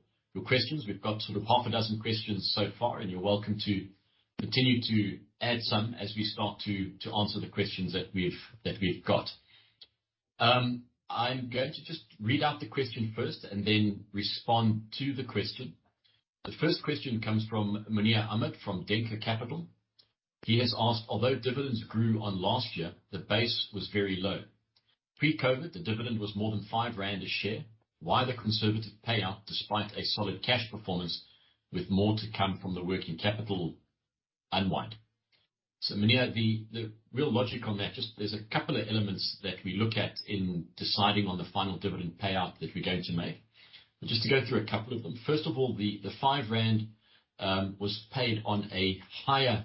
questions. We've got sort of half a dozen questions so far, you're welcome to continue to add some as we start to answer the questions that we've got. I'm going to just read out the question first and then respond to the question. The first question comes from Muneer Ahmed from Denker Capital. He has asked, although dividends grew on last year, the base was very low. Pre-COVID, the dividend was more than 5 rand a share. Why the conservative payout despite a solid cash performance with more to come from the working capital unwind? Muneer, the real logic on that, just there's a couple of elements that we look at in deciding on the final dividend payout that we're going to make. Just to go through a couple of them. First of all, the 5 rand was paid on a higher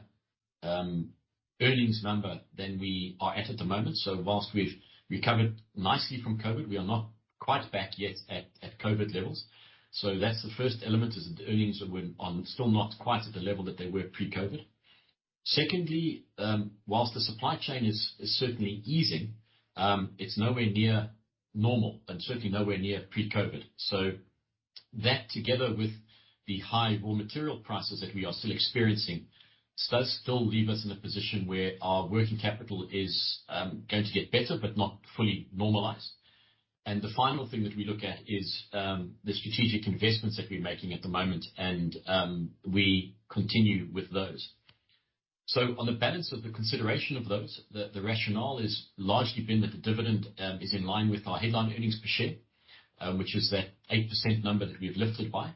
earnings number than we are at the moment. Whilst we've recovered nicely from COVID, we are not quite back yet at COVID levels. That's the first element is that the earnings were still not quite at the level that they were pre-COVID. Secondly, whilst the supply chain is certainly easing, it's nowhere near normal and certainly nowhere near pre-COVID. That, together with the high raw material prices that we are still experiencing, does still leave us in a position where our working capital is going to get better but not fully normalized. The final thing that we look at is the strategic investments that we're making at the moment, we continue with those. On the balance of the consideration of those, the rationale has largely been that the dividend is in line with our headline earnings per share, which is that 8% number that we've lifted by.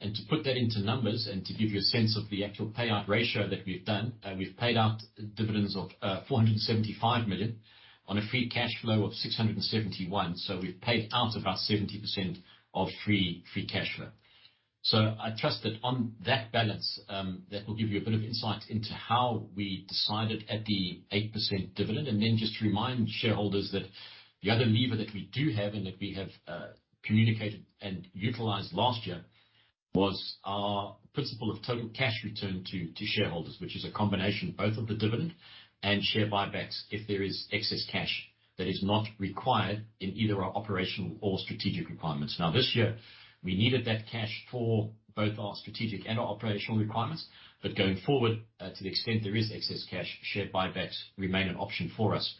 To put that into numbers and to give you a sense of the actual payout ratio that we've done, we've paid out dividends of 475 million on a free cash flow of 671 million. We've paid out about 70% of free cash flow. I trust that on that balance, that will give you a bit of insight into how we decided at the 8% dividend. Then just to remind shareholders that the other lever that we do have and that we have communicated and utilized last year was our principle of total cash return to shareholders, which is a combination both of the dividend and share buybacks if there is excess cash that is not required in either our operational or strategic requirements. This year, we needed that cash for both our strategic and our operational requirements. Going forward, to the extent there is excess cash, share buybacks remain an option for us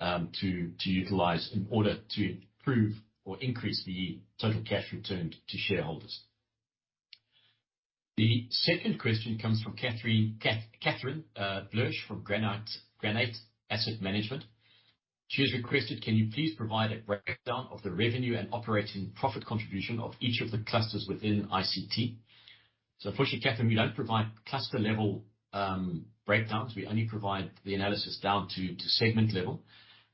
to utilize in order to improve or increase the total cash returned to shareholders. The second question comes from Catherine Blersch from Granate Asset Management. She has requested, Can you please provide a breakdown of the revenue and operating profit contribution of each of the clusters within ICT? Unfortunately, Catherine, we don't provide cluster-level breakdowns. We only provide the analysis down to segment level.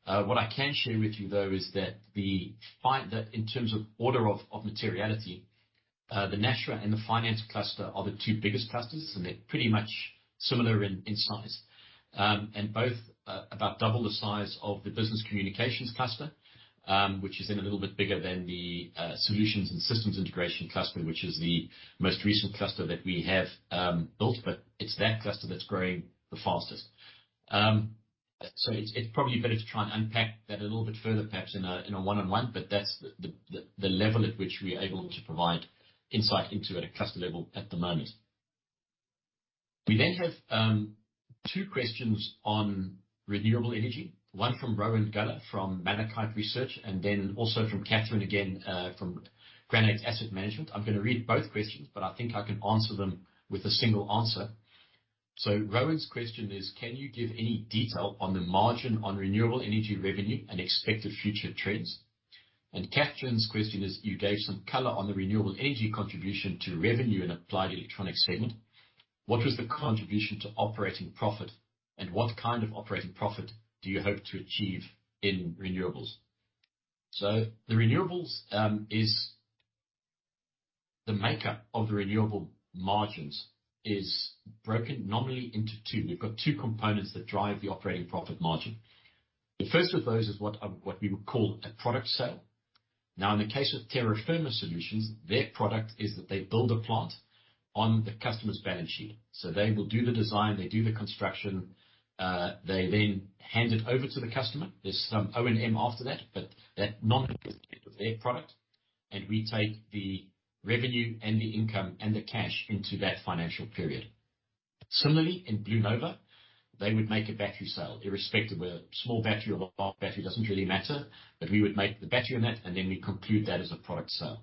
What I can share with you, though, is that we find that in terms of order of materiality, the Nashua and the finance cluster are the two biggest clusters, and they're pretty much similar in size. And both about double the size of the business communications cluster, which is then a little bit bigger than the solutions and systems integration cluster, which is the most recent cluster that we have built, but it's that cluster that's growing the fastest. It's, it's probably better to try and unpack that a little bit further, perhaps in a, in a one-on-one, but that's the, the level at which we are able to provide insight into at a cluster level at the moment. We then have two questions on renewable energy, one from Lauren Rowan from Malachite Research and then also from Catherine again, from Granate Asset Management. I'm gonna read both questions, but I think I can answer them with a single answer. Rowan's question is: Can you give any detail on the margin on renewable energy revenue and expected future trends? Catherine's question is: You gave some color on the renewable energy contribution to revenue in Applied Electronics segment. What was the contribution to operating profit, and what kind of operating profit do you hope to achieve in renewables? The renewables is... The makeup of the renewable margins is broken normally into two. We've got two components that drive the operating profit margin. The first of those is what we would call a product sale. Now, in the case of Terra Firma Solutions, their product is that they build a plant on the customer's balance sheet. They will do the design, they do the construction, they then hand it over to the customer. There's some O&M after that, but that's not of their product, and we take the revenue and the income and the cash into that financial period. In BlueNova, they would make a battery sale irrespective. Whether a small battery or a large battery doesn't really matter, but we would make the battery on that, and then we conclude that as a product sale.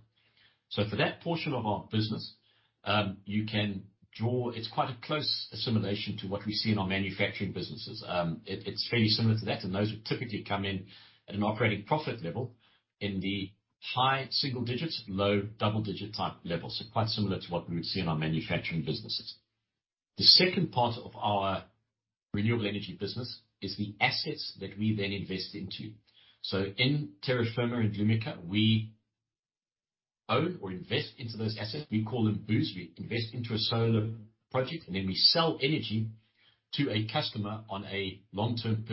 For that portion of our business, you can draw... It's quite a close assimilation to what we see in our manufacturing businesses. It's fairly similar to that, and those would typically come in at an operating profit level in the high single digits, low double-digit type level. Quite similar to what we would see in our manufacturing businesses. The second part of our renewable energy business is the assets that we then invest into. In Terra Firma and Lumika, we own or invest into those assets. We call them BOOs. We invest into a solar project, and then we sell energy to a customer on a long-term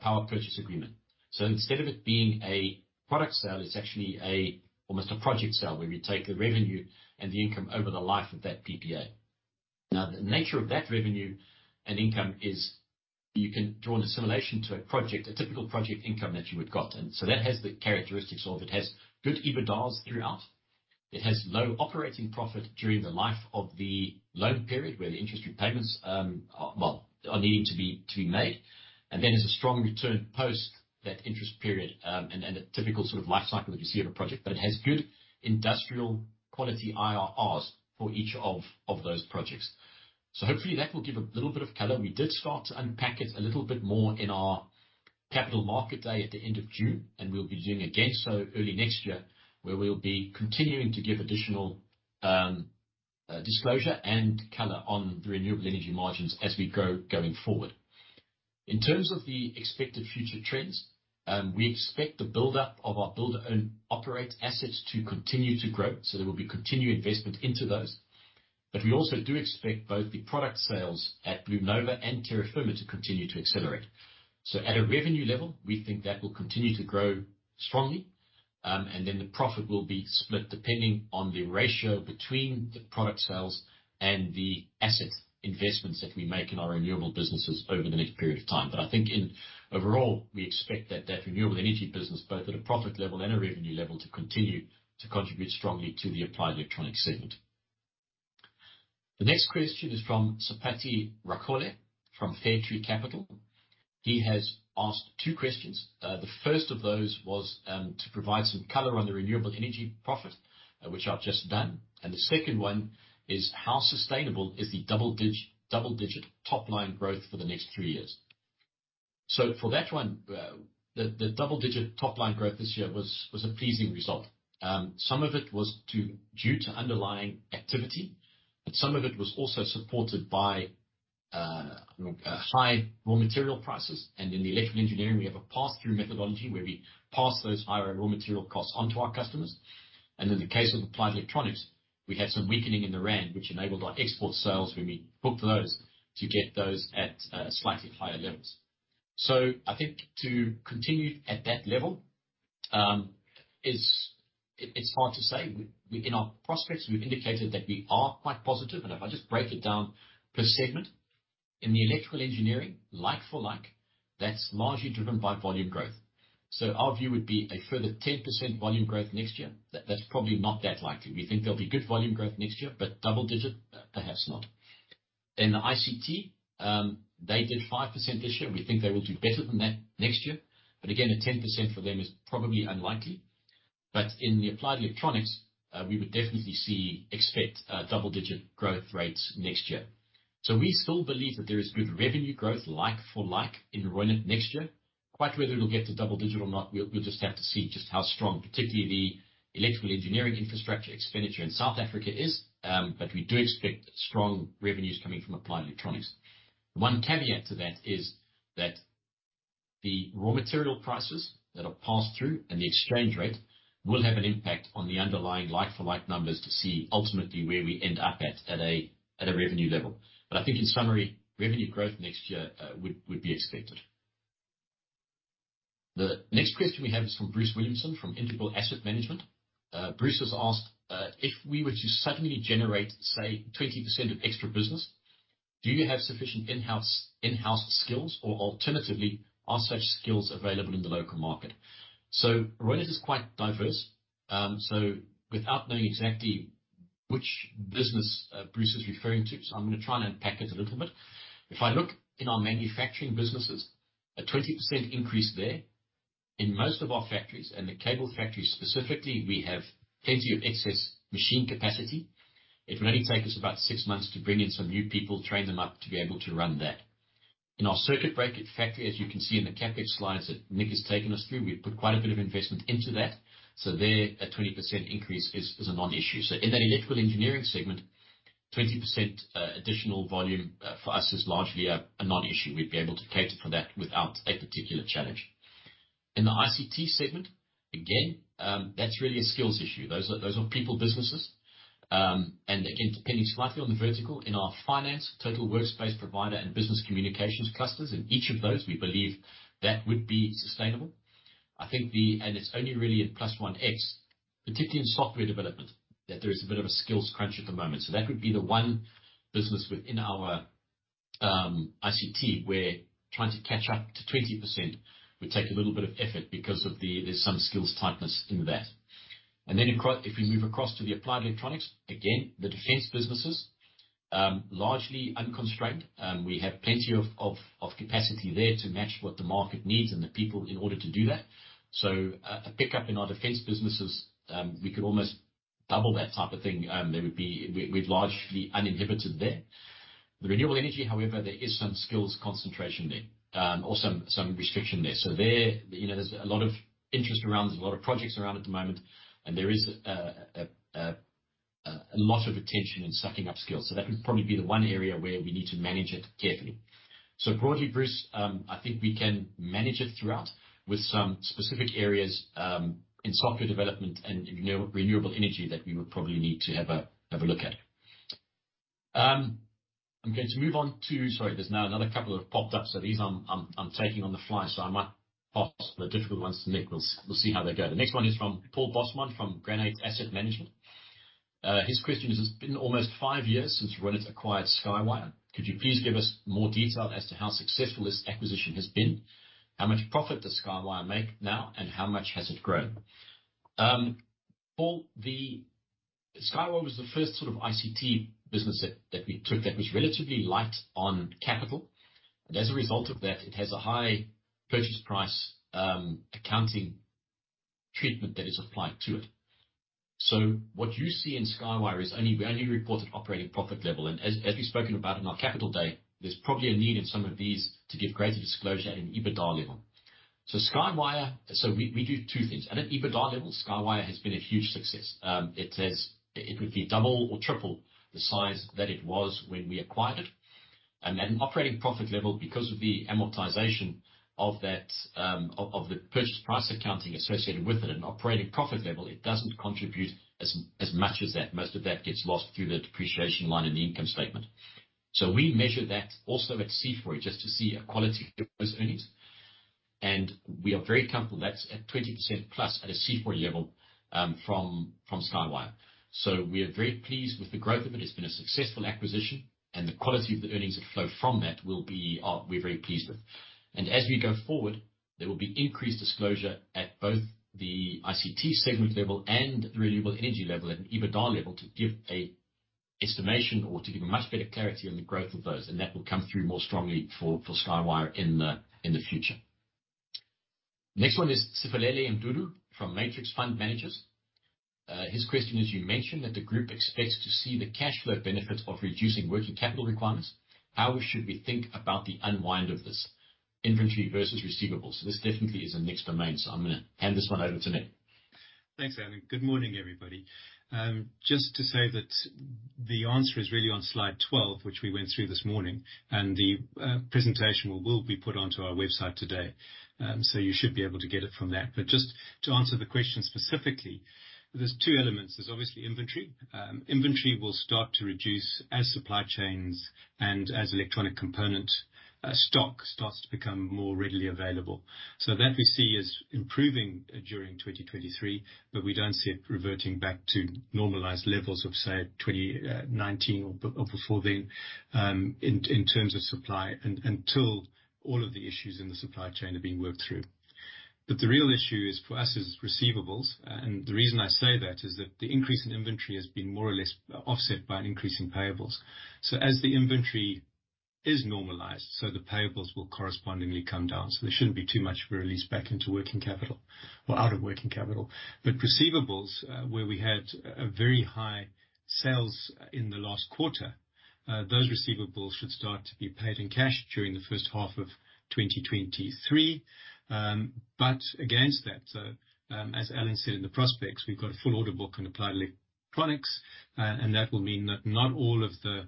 power purchase agreement. Instead of it being a product sale, it's actually a almost a project sale, where we take the revenue and the income over the life of that PPA. The nature of that revenue and income is you can draw an assimilation to a project, a typical project income that you would got. That has the characteristics of, it has good EBITDAs throughout. It has low operating profit during the life of the loan period, where the interest repayments, are, well, are needing to be made. Then there's a strong return post that interest period, and a typical sort of life cycle that you see of a project. It has good industrial quality IRRs for each of those projects. Hopefully, that will give a little bit of color. We did start to unpack it a little bit more in our capital market day at the end of June. We'll be doing again so early next year, where we'll be continuing to give additional disclosure and color on the renewable energy margins as we go going forward. In terms of the expected future trends, we expect the buildup of our build-own-operate assets to continue to grow. There will be continued investment into those. We also do expect both the product sales at BlueNova and Terra Firma to continue to accelerate. At a revenue level, we think that will continue to grow strongly. The profit will be split depending on the ratio between the product sales and the asset investments that we make in our renewable businesses over the next period of time. Overall, we expect that renewable energy business, both at a profit level and a revenue level, to continue to contribute strongly to the Applied Electronics segment. The next question is from Seipati Rakgoale from Fairtree Capital. He has asked two questions. The first of those was to provide some color on the renewable energy profit, which I've just done, and the second one is how sustainable is the double digit top-line growth for the next three years? For that one, the double-digit top-line growth this year was a pleasing result. Some of it was due to underlying activity, but some of it was also supported by high raw material prices. In the Electrical Engineering, we have a pass-through methodology where we pass those higher raw material costs on to our customers. In the case of Applied Electronics, we have some weakening in the rand, which enabled our export sales when we book those to get those at slightly higher levels. I think to continue at that level is. It's hard to say. In our prospects, we've indicated that we are quite positive. If I just break it down per segment. In the Electrical Engineering, like for like, that's largely driven by volume growth. Our view would be a further 10% volume growth next year. That's probably not that likely. We think there'll be good volume growth next year, but double digit, perhaps not. In the ICT, they did 5% this year. We think they will do better than that next year. Again, a 10% for them is probably unlikely. In the Applied Electronics, we would definitely see, expect, double-digit growth rates next year. We still believe that there is good revenue growth, like for like, in Reunert next year. Quite whether it'll get to double digit or not, we'll just have to see just how strong, particularly the Electrical Engineering infrastructure expenditure in South Africa is. We do expect strong revenues coming from Applied Electronics. One caveat to that is that the raw material prices that are passed through and the exchange rate will have an impact on the underlying like for like numbers to see ultimately where we end up at a revenue level. I think in summary, revenue growth next year would be expected. The next question we have is from Bruce Williamson, from Integral Asset Management. Bruce has asked, if we were to suddenly generate, say, 20% of extra business, do you have sufficient in-house skills, or alternatively, are such skills available in the local market? Reunert is quite diverse. Without knowing exactly which business Bruce is referring to, I'm gonna try and unpack it a little bit. If I look in our manufacturing businesses, a 20% increase there, in most of our factories, and the cable factory specifically, we have plenty of excess machine capacity. It will only take us about six months to bring in some new people, train them up to be able to run that. In our circuit breaker factory, as you can see in the CapEx slides that Nick has taken us through, we've put quite a bit of investment into that. There, a 20% increase is a non-issue. In that Electrical Engineering segment, 20% additional volume for us is largely a non-issue. We'd be able to cater for that without a particular challenge. In the ICT segment, again, that's really a skills issue. Those are people businesses. Again, depending slightly on the vertical, in our finance, total workspace provider and business communications clusters, in each of those, we believe that would be sustainable. I think the... It's only really in +OneX, particularly in software development, that there is a bit of a skills crunch at the moment. That would be the one business within our ICT, where trying to catch up to 20% would take a little bit of effort because of the... There's some skills tightness in that. If we move across to the Applied Electronics, again, the defense businesses, largely unconstrained. We have plenty of, of capacity there to match what the market needs and the people in order to do that. So a pickup in our defense businesses, we could almost double that type of thing. There would be... We're largely uninhibited there. The renewable energy, however, there is some skills concentration there, or some restriction there. So there, you know, there's a lot of interest around, there's a lot of projects around at the moment, and there is a lot of attention in sucking up skills. So that would probably be the one area where we need to manage it carefully. Broadly, Bruce, I think we can manage it throughout with some specific areas in software development and in renewable energy that we would probably need to have a look at. I'm going to move on to... there's now another couple have popped up. These I'm taking on the fly, so I might pop the difficult ones to Nick. We'll see how they go. The next one is from Paul Bosman, from Granate Asset Management. His question is, it's been almost five years since Reunert acquired SkyWire. Could you please give us more detail as to how successful this acquisition has been? How much profit does SkyWire make now, and how much has it grown? Paul, the... SkyWire was the first sort of ICT business that we took that was relatively light on capital, and as a result of that, it has a high purchase price accounting treatment that is applied to it. What you see in SkyWire is only reported operating profit level. As we've spoken about on our capital day, there's probably a need in some of these to give greater disclosure at an EBITDA level. SkyWire. We do two things. At EBITDA level, SkyWire has been a huge success. It would be double or triple the size that it was when we acquired it. Operating profit level because of the amortization of that, of the purchase price accounting associated with it. At an operating profit level, it doesn't contribute as much as that. Most of that gets lost through the depreciation line in the income statement. We measure that also at C4 just to see a quality earnings. We are very comfortable that's at 20% plus at a C4 level from Skywire. We are very pleased with the growth of it. It's been a successful acquisition, and the quality of the earnings that flow from that will be we're very pleased with. As we go forward, there will be increased disclosure at both the ICT segment level and the renewable energy level and EBITDA level to give a estimation or to give a much better clarity on the growth of those. That will come through more strongly for Skywire in the future. Next one is Siphelele Mdudu from Matrix Fund Managers. His question is, you mentioned that the group expects to see the cash flow benefits of reducing working capital requirements. How should we think about the unwind of this inventory versus receivables? This definitely is a Nick domain, so I'm gonna hand this one over to Nick. Thanks, Alan. Good morning, everybody. Just to say that the answer is really on slide 12, which we went through this morning, and the presentation will be put onto our website today. So you should be able to get it from that. Just to answer the question specifically, there's two elements. There's obviously inventory. Inventory will start to reduce as supply chains and as electronic component stock starts to become more readily available. That we see as improving during 2023, but we don't see it reverting back to normalized levels of, say, 2019 or before then, in terms of supply until all of the issues in the supply chain are being worked through. The real issue is for us is receivables. The reason I say that is that the increase in inventory has been more or less offset by an increase in payables. As the inventory is normalized, the payables will correspondingly come down. There shouldn't be too much of a release back into working capital or out of working capital. Receivables, where we had a very high sales in the last quarter, those receivables should start to be paid in cash during the first half of 2023. Against that, as Alan said in the prospects, we've got a full order book on Applied Electronics. That will mean that not all of the,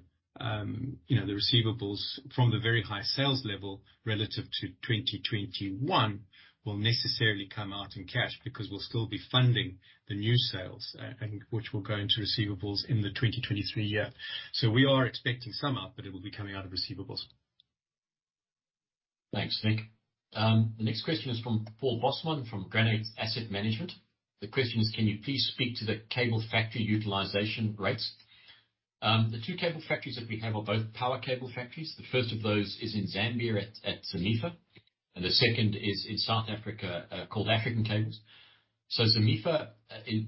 you know, the receivables from the very high sales level relative to 2021 will necessarily come out in cash because we'll still be funding the new sales, and which will go into receivables in the 2023 year. We are expecting some up, but it will be coming out of receivables. Thanks, Nick. The next question is from Paul Bosman, from Granate Asset Management. The question is, can you please speak to the cable factory utilization rates? The two cable factories that we have are both power cable factories. The first of those is in Zambia at ZAMEFA, and the second is in South Africa, called African Cables. ZAMEFA,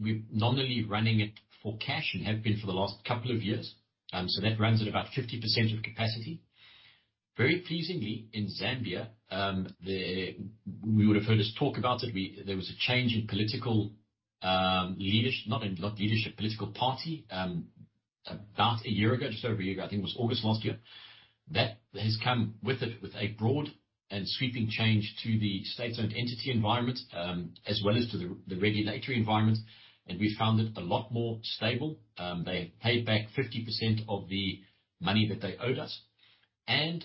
we're normally running it for cash and have been for the last couple of years. That runs at about 50% of capacity. Very pleasingly in Zambia, You would have heard us talk about it. We, there was a change in political, not in, not leadership, political party, about a year ago, just over a year ago, I think it was August last year. That has come with a broad and sweeping change to the state-owned entity environment, as well as to the regulatory environment. We found it a lot more stable. They paid back 50% of the money that they owed us.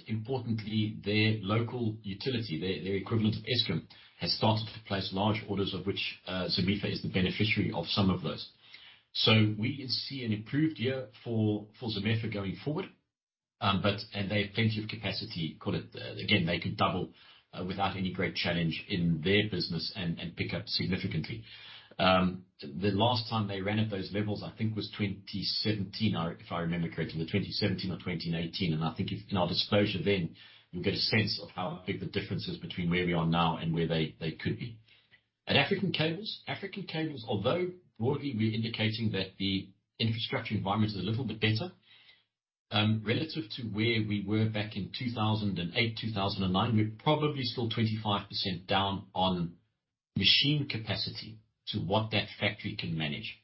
Importantly, their local utility, their equivalent of Eskom, has started to place large orders, of which ZAMEFA is the beneficiary of some of those. We can see an improved year for ZAMEFA going forward. They have plenty of capacity, call it. Again, they could double, without any great challenge in their business and pick up significantly. The last time they ran at those levels, I think, was 2017, or if I remember correctly, 2017 or 2019. I think in our disclosure then, you'll get a sense of how big the difference is between where we are now and where they could be. At African Cables. African Cables, although broadly, we're indicating that the infrastructure environment is a little bit better, relative to where we were back in 2008, 2009. We're probably still 25% down on machine capacity to what that factory can manage.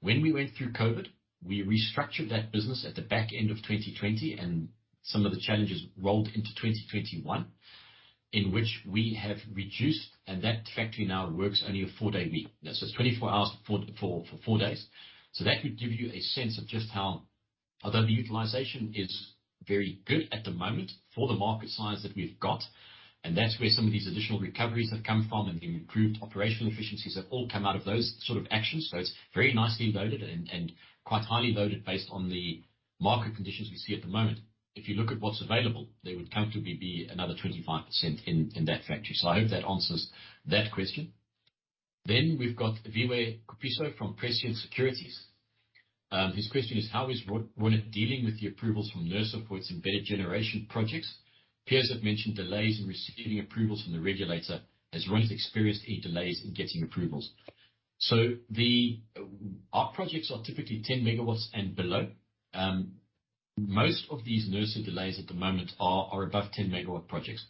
When we went through COVID, we restructured that business at the back end of 2020, and some of the challenges rolled into 2021, in which we have reduced, and that factory now works only a four-day week. It's 24 hours for four days. That would give you a sense of just how... Although the utilization is very good at the moment for the market size that we've got, and that's where some of these additional recoveries have come from, and the improved operational efficiencies have all come out of those sort of actions. It's very nicely loaded and quite highly loaded based on the market conditions we see at the moment. If you look at what's available, there would comfortably be another 25% in that factory. I hope that answers that question. We've got Viwe Kupiso from Prescient Securities. His question is, how is Reunert dealing with the approvals from NERSA for its embedded generation projects? Peers have mentioned delays in receiving approvals from the regulator. Has Reunert experienced any delays in getting approvals? Our projects are typically 10 MW and below. Most of these NERSA delays at the moment are above 10 MW projects.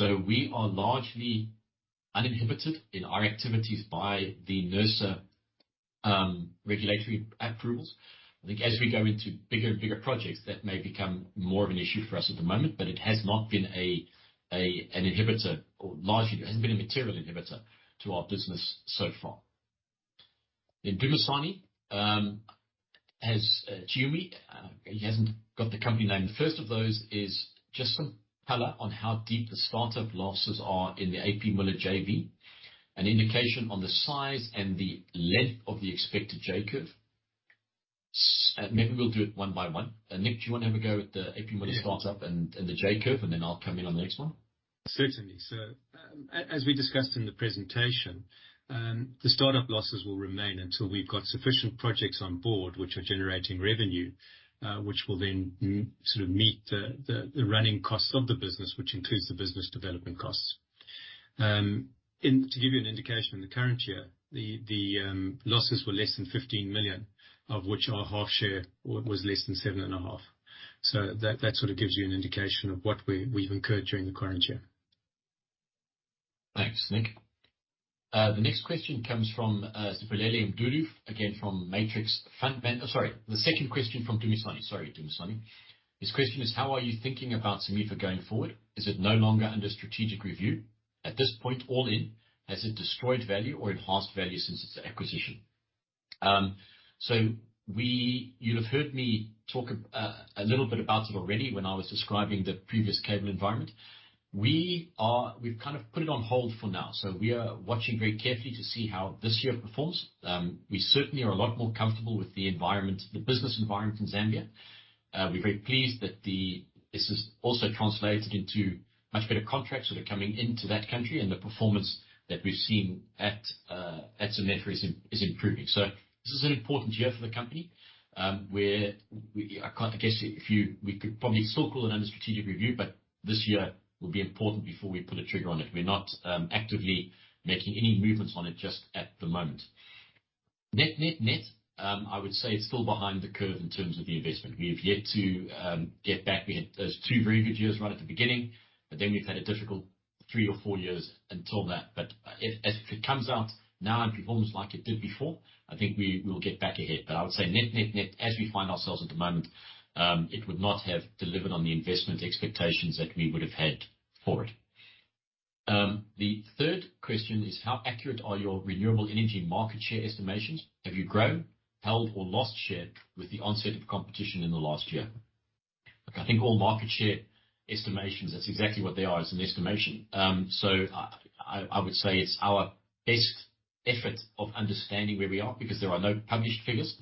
We are largely uninhibited in our activities by the NERSA regulatory approvals. I think as we go into bigger and bigger projects, that may become more of an issue for us at the moment, but it has not been an inhibitor or largely, it hasn't been a material inhibitor to our business so far. Dumisani has, he hasn't got the company name. The first of those is just some color on how deep the startup losses are in the A.P. Møller JV. An indication on the size and the length of the expected J-curve. Maybe we'll do it one by one. Nick, do you wanna have a go at the A.P. Møller startup and the J-curve, and then I'll come in on the next one? Certainly. As we discussed in the presentation, the startup losses will remain until we've got sufficient projects on board which are generating revenue, which will then sort of meet the running costs of the business, which includes the business development costs. And to give you an indication, in the current year, the losses were less than 15 million, of which our half share was less than 7.5 million. That sort of gives you an indication of what we've incurred during the current year. Thanks, Nick. The next question comes from Siphelele Mdudu, again, from Matrix Fund Managers. Sorry. The second question from Dumisani. His question is: How are you thinking about ZAMEFA going forward? Is it no longer under strategic review? At this point all in, has it destroyed value or enhanced value since its acquisition? You'll have heard me talk a little bit about it already when I was describing the previous cable environment. We've kind of put it on hold for now. We are watching very carefully to see how this year performs. We certainly are a lot more comfortable with the environment, the business environment in Zambia. We're very pleased that this has also translated into much better contracts that are coming into that country, and the performance that we've seen at ZAMEFA is improving. This is an important year for the company. We could probably still call it under strategic review, but this year will be important before we pull the trigger on it. We're not actively making any movements on it just at the moment. Net, net, I would say it's still behind the curve in terms of the investment. We have yet to get back. We had those two very good years right at the beginning. We've had a difficult three or four years until that. If it comes out now and performs like it did before, I think we will get back ahead. I would say net, net, as we find ourselves at the moment, it would not have delivered on the investment expectations that we would have had for it. The third question is: How accurate are your renewable energy market share estimations? Have you grown, held, or lost share with the onset of competition in the last year? Look, I think all market share estimations, that's exactly what they are, is an estimation. So I would say it's our best effort of understanding where we are because there are no published figures.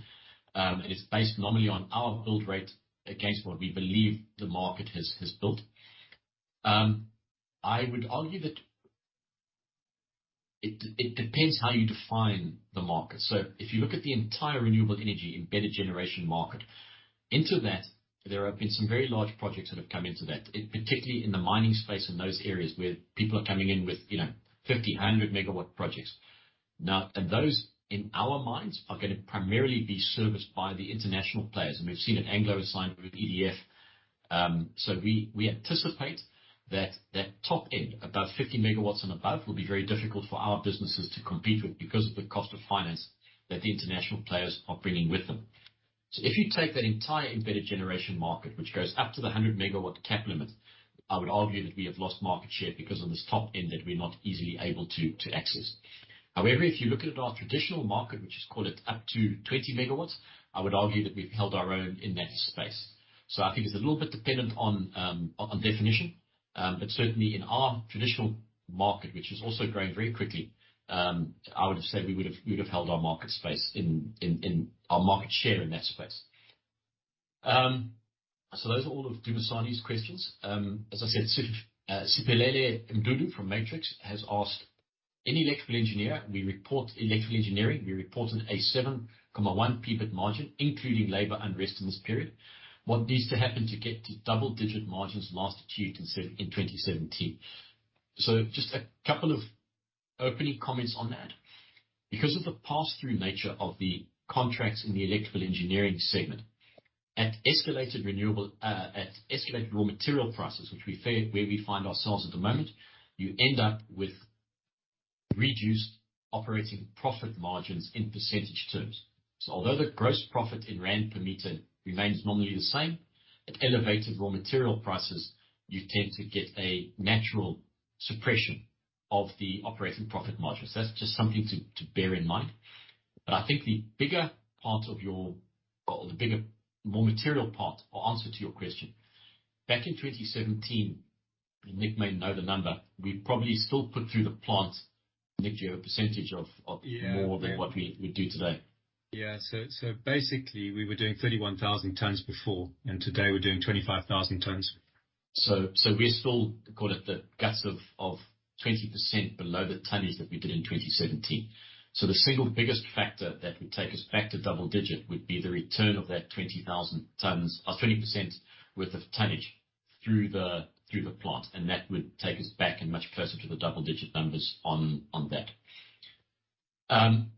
It's based normally on our build rate against what we believe the market has built. I would argue that it depends how you define the market. If you look at the entire renewable energy embedded generation market, into that, there have been some very large projects that have come into that, particularly in the mining space and those areas where people are coming in with, you know, 50, 100 MW projects. Those, in our minds, are gonna primarily be serviced by the international players, and we've seen it Anglo assigned with EDF. We, we anticipate that that top end, above 50 MW and above, will be very difficult for our businesses to compete with because of the cost of finance that the international players are bringing with them. If you take that entire embedded generation market, which goes up to the 100 MW cap limit, I would argue that we have lost market share because of this top end that we're not easily able to access. If you look at our traditional market, which is, call it, up to 20 MW, I would argue that we've held our own in that space. I think it's a little bit dependent on definition. Certainly in our traditional market, which has also grown very quickly, I would say we would've held our market share in that space. Those are all of Dumisani's questions. As I said, Siphelele Mdudu from Matrix has asked: In Electrical Engineering, we report an 87.1% EBIT margin, including labor unrest in this period. What needs to happen to get to double-digit margins last achieved in 2017? Just a couple of opening comments on that. Because of the pass-through nature of the contracts in the Electrical Engineering segment, at escalated renewable, at escalated raw material prices, where we find ourselves at the moment, you end up with reduced operating profit margins in percentage terms. Although the gross profit in rand per meter remains normally the same, at elevated raw material prices, you tend to get a natural suppression of the operating profit margins. That's just something to bear in mind. I think the bigger part of your... Or the bigger, more material part or answer to your question, back in 2017, and Nick may know the number, we probably still put through the plant, Nick, do you have a percentage of more than what we do today. Yeah. so basically we were doing 31,000 tons before, and today we're doing 25,000 tons. We're still, call it, the guts of 20% below the tonnage that we did in 2017. The single biggest factor that would take us back to double-digit would be the return of that 20,000 tons or 20% worth of tonnage through the plant, and that would take us back and much closer to the double-digit numbers on that.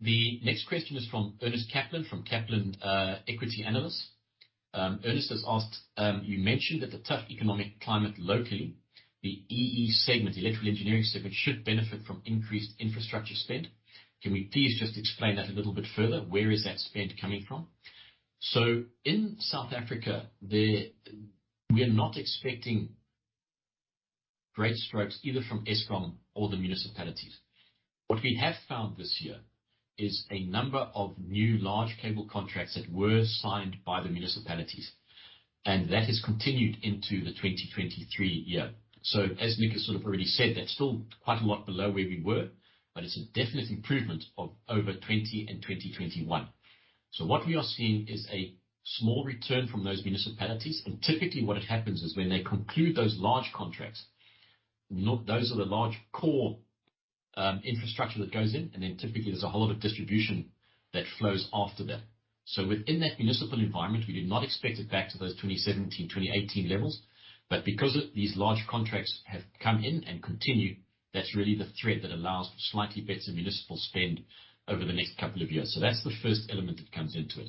The next question is from Irnest Kaplan, from Kaplan Equity Analysts. Irnest has asked: You mentioned that the tough economic climate locally, the EE segment, Electrical Engineering segment, should benefit from increased infrastructure spend. Can we please just explain that a little bit further? Where is that spend coming from? In South Africa, we are not expecting great strokes, either from Eskom or the municipalities. What we have found this year is a number of new large cable contracts that were signed by the municipalities. That has continued into the 2023 year. As Nick has sort of already said, that's still quite a lot below where we were, but it's a definite improvement of over 2020 and 2021. What we are seeing is a small return from those municipalities. Typically, what it happens is when they conclude those large contracts, those are the large core infrastructure that goes in, and then typically there's a whole lot of distribution that flows after that. Within that municipal environment, we do not expect it back to those 2017, 2018 levels, but because of these large contracts have come in and continue, that's really the thread that allows for slightly better municipal spend over the next couple of years. That's the first element that comes into it.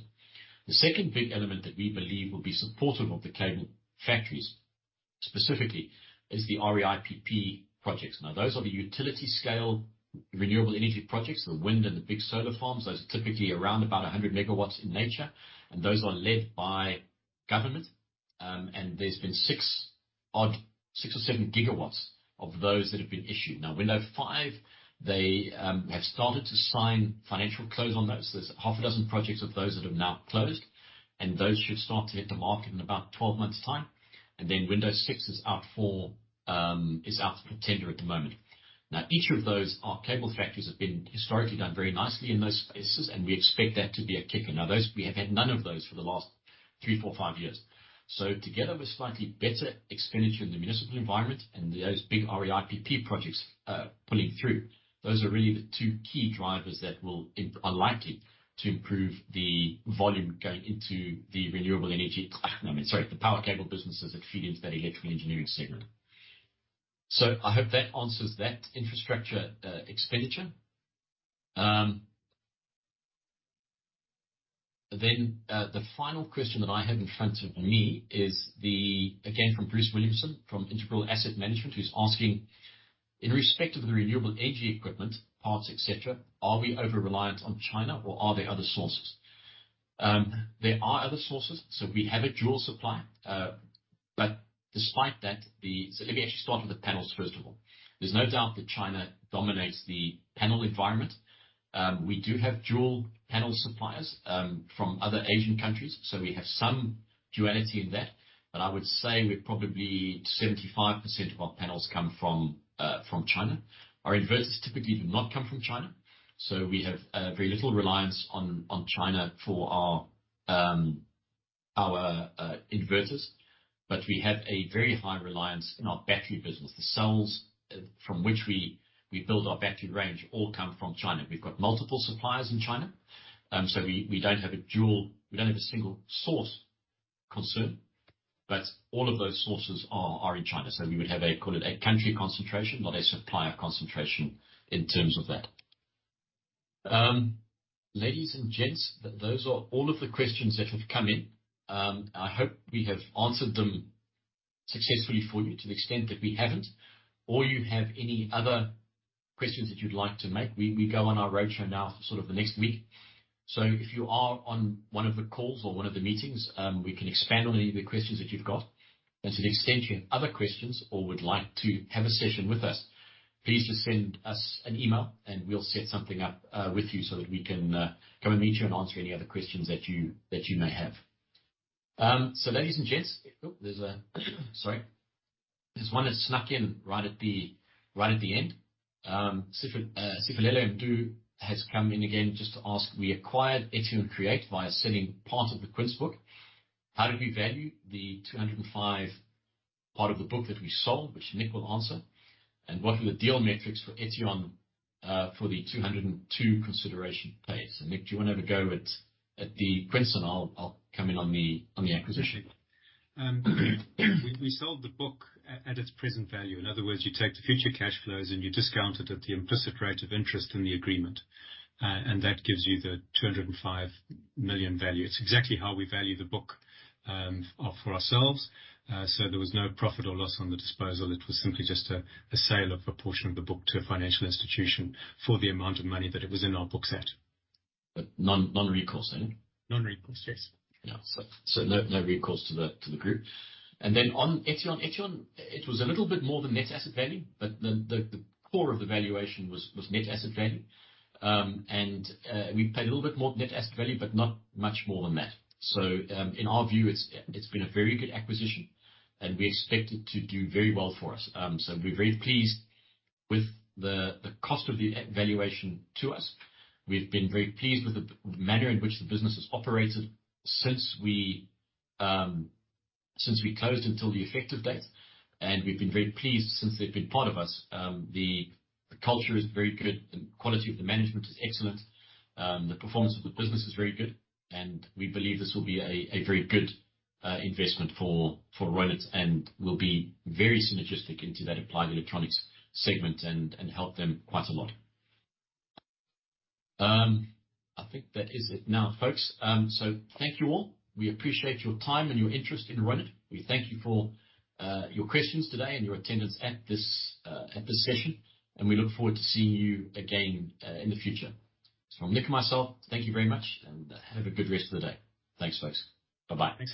The second big element that we believe will be supportive of the cable factories specifically is the REIPPP projects. Those are the utility scale renewable energy projects, the wind and the big solar farms. Those are typically around about 100 MW in nature, and those are led by government. There's been 6 or 7 GW of those that have been issued. Window 5, they have started to sign financial close on those. There's half a dozen projects of those that have now closed, those should start to hit the market in about 12 months time. Window 6 is out to contender at the moment. Each of those are cable factories have been historically done very nicely in those spaces, and we expect that to be a kicker. Those we have had none of those for the last three, four, five years. Together with slightly better expenditure in the municipal environment and those big REIPPP projects pulling through, those are really the two key drivers that are likely to improve the volume going into the renewable energy. I mean, sorry, the power cable businesses that feed into that Electrical Engineering segment. I hope that answers that infrastructure expenditure. The final question that I have in front of me is again, from Bruce Williamson, from Integral Asset Management, who's asking, In respect of the renewable energy equipment, parts, et cetera, are we over-reliant on China or are there other sources? There are other sources, so we have a dual supply. Despite that, let me actually start with the panels first of all. There's no doubt that China dominates the panel environment. We do have dual panel suppliers from other Asian countries, so we have some duality in that. I would say we're probably 75% of our panels come from China. Our inverters typically do not come from China, so we have very little reliance on China for our inverters. We have a very high reliance in our battery business. The cells from which we build our battery range all come from China. We've got multiple suppliers in China. So we don't have a single source concern, but all of those sources are in China. We would have a, call it a country concentration, not a supplier concentration in terms of that. Ladies and gents, those are all of the questions that have come in. I hope we have answered them successfully for you to the extent that we haven't, or you have any other questions that you'd like to make. We go on our roadshow now for sort of the next week. If you are on one of the calls or one of the meetings, we can expand on any of the questions that you've got. To the extent you have other questions or would like to have a session with us, please just send us an email and we'll set something up with you so that we can come and meet you and answer any other questions that you may have. Ladies and gents... There's one that snuck in right at the end. Siphelele Mdudu has come in again just to ask, We acquired Etion Create via selling part of the Quince book. How did we value the 205 part of the book that we sold? Which Nick will answer. What were the deal metrics for Etion, for the 202 consideration pays? Nick, do you wanna have a go at the Quince? I'll come in on the acquisition. We sold the book at its present value. In other words, you take the future cash flows and you discount it at the implicit rate of interest in the agreement. That gives you the 205 million value. It's exactly how we value the book for ourselves. There was no profit or loss on the disposal. It was simply just a sale of a portion of the book to a financial institution for the amount of money that it was in our books at. Non-recourse then? Non-recourse, yes. No recourse to the group. On Etion. Etion, it was a little bit more than net asset value, but the core of the valuation was net asset value. We paid a little bit more net asset value, but not much more than that. In our view, it's been a very good acquisition, and we expect it to do very well for us. We're very pleased with the cost of the acquisition valuation to us. We've been very pleased with the manner in which the business has operated since we closed until the effective date. We've been very pleased since they've been part of us. The culture is very good and quality of the management is excellent. The performance of the business is very good, and we believe this will be a very good investment for Reunert and will be very synergistic into that Applied Electronics segment and help them quite a lot. I think that is it now, folks. Thank you all. We appreciate your time and your interest in Reunert. We thank you for your questions today and your attendance at this session, and we look forward to seeing you again in the future. From Nick and myself, thank you very much and have a good rest of the day. Thanks, folks. Bye-bye. Thanks, everyone.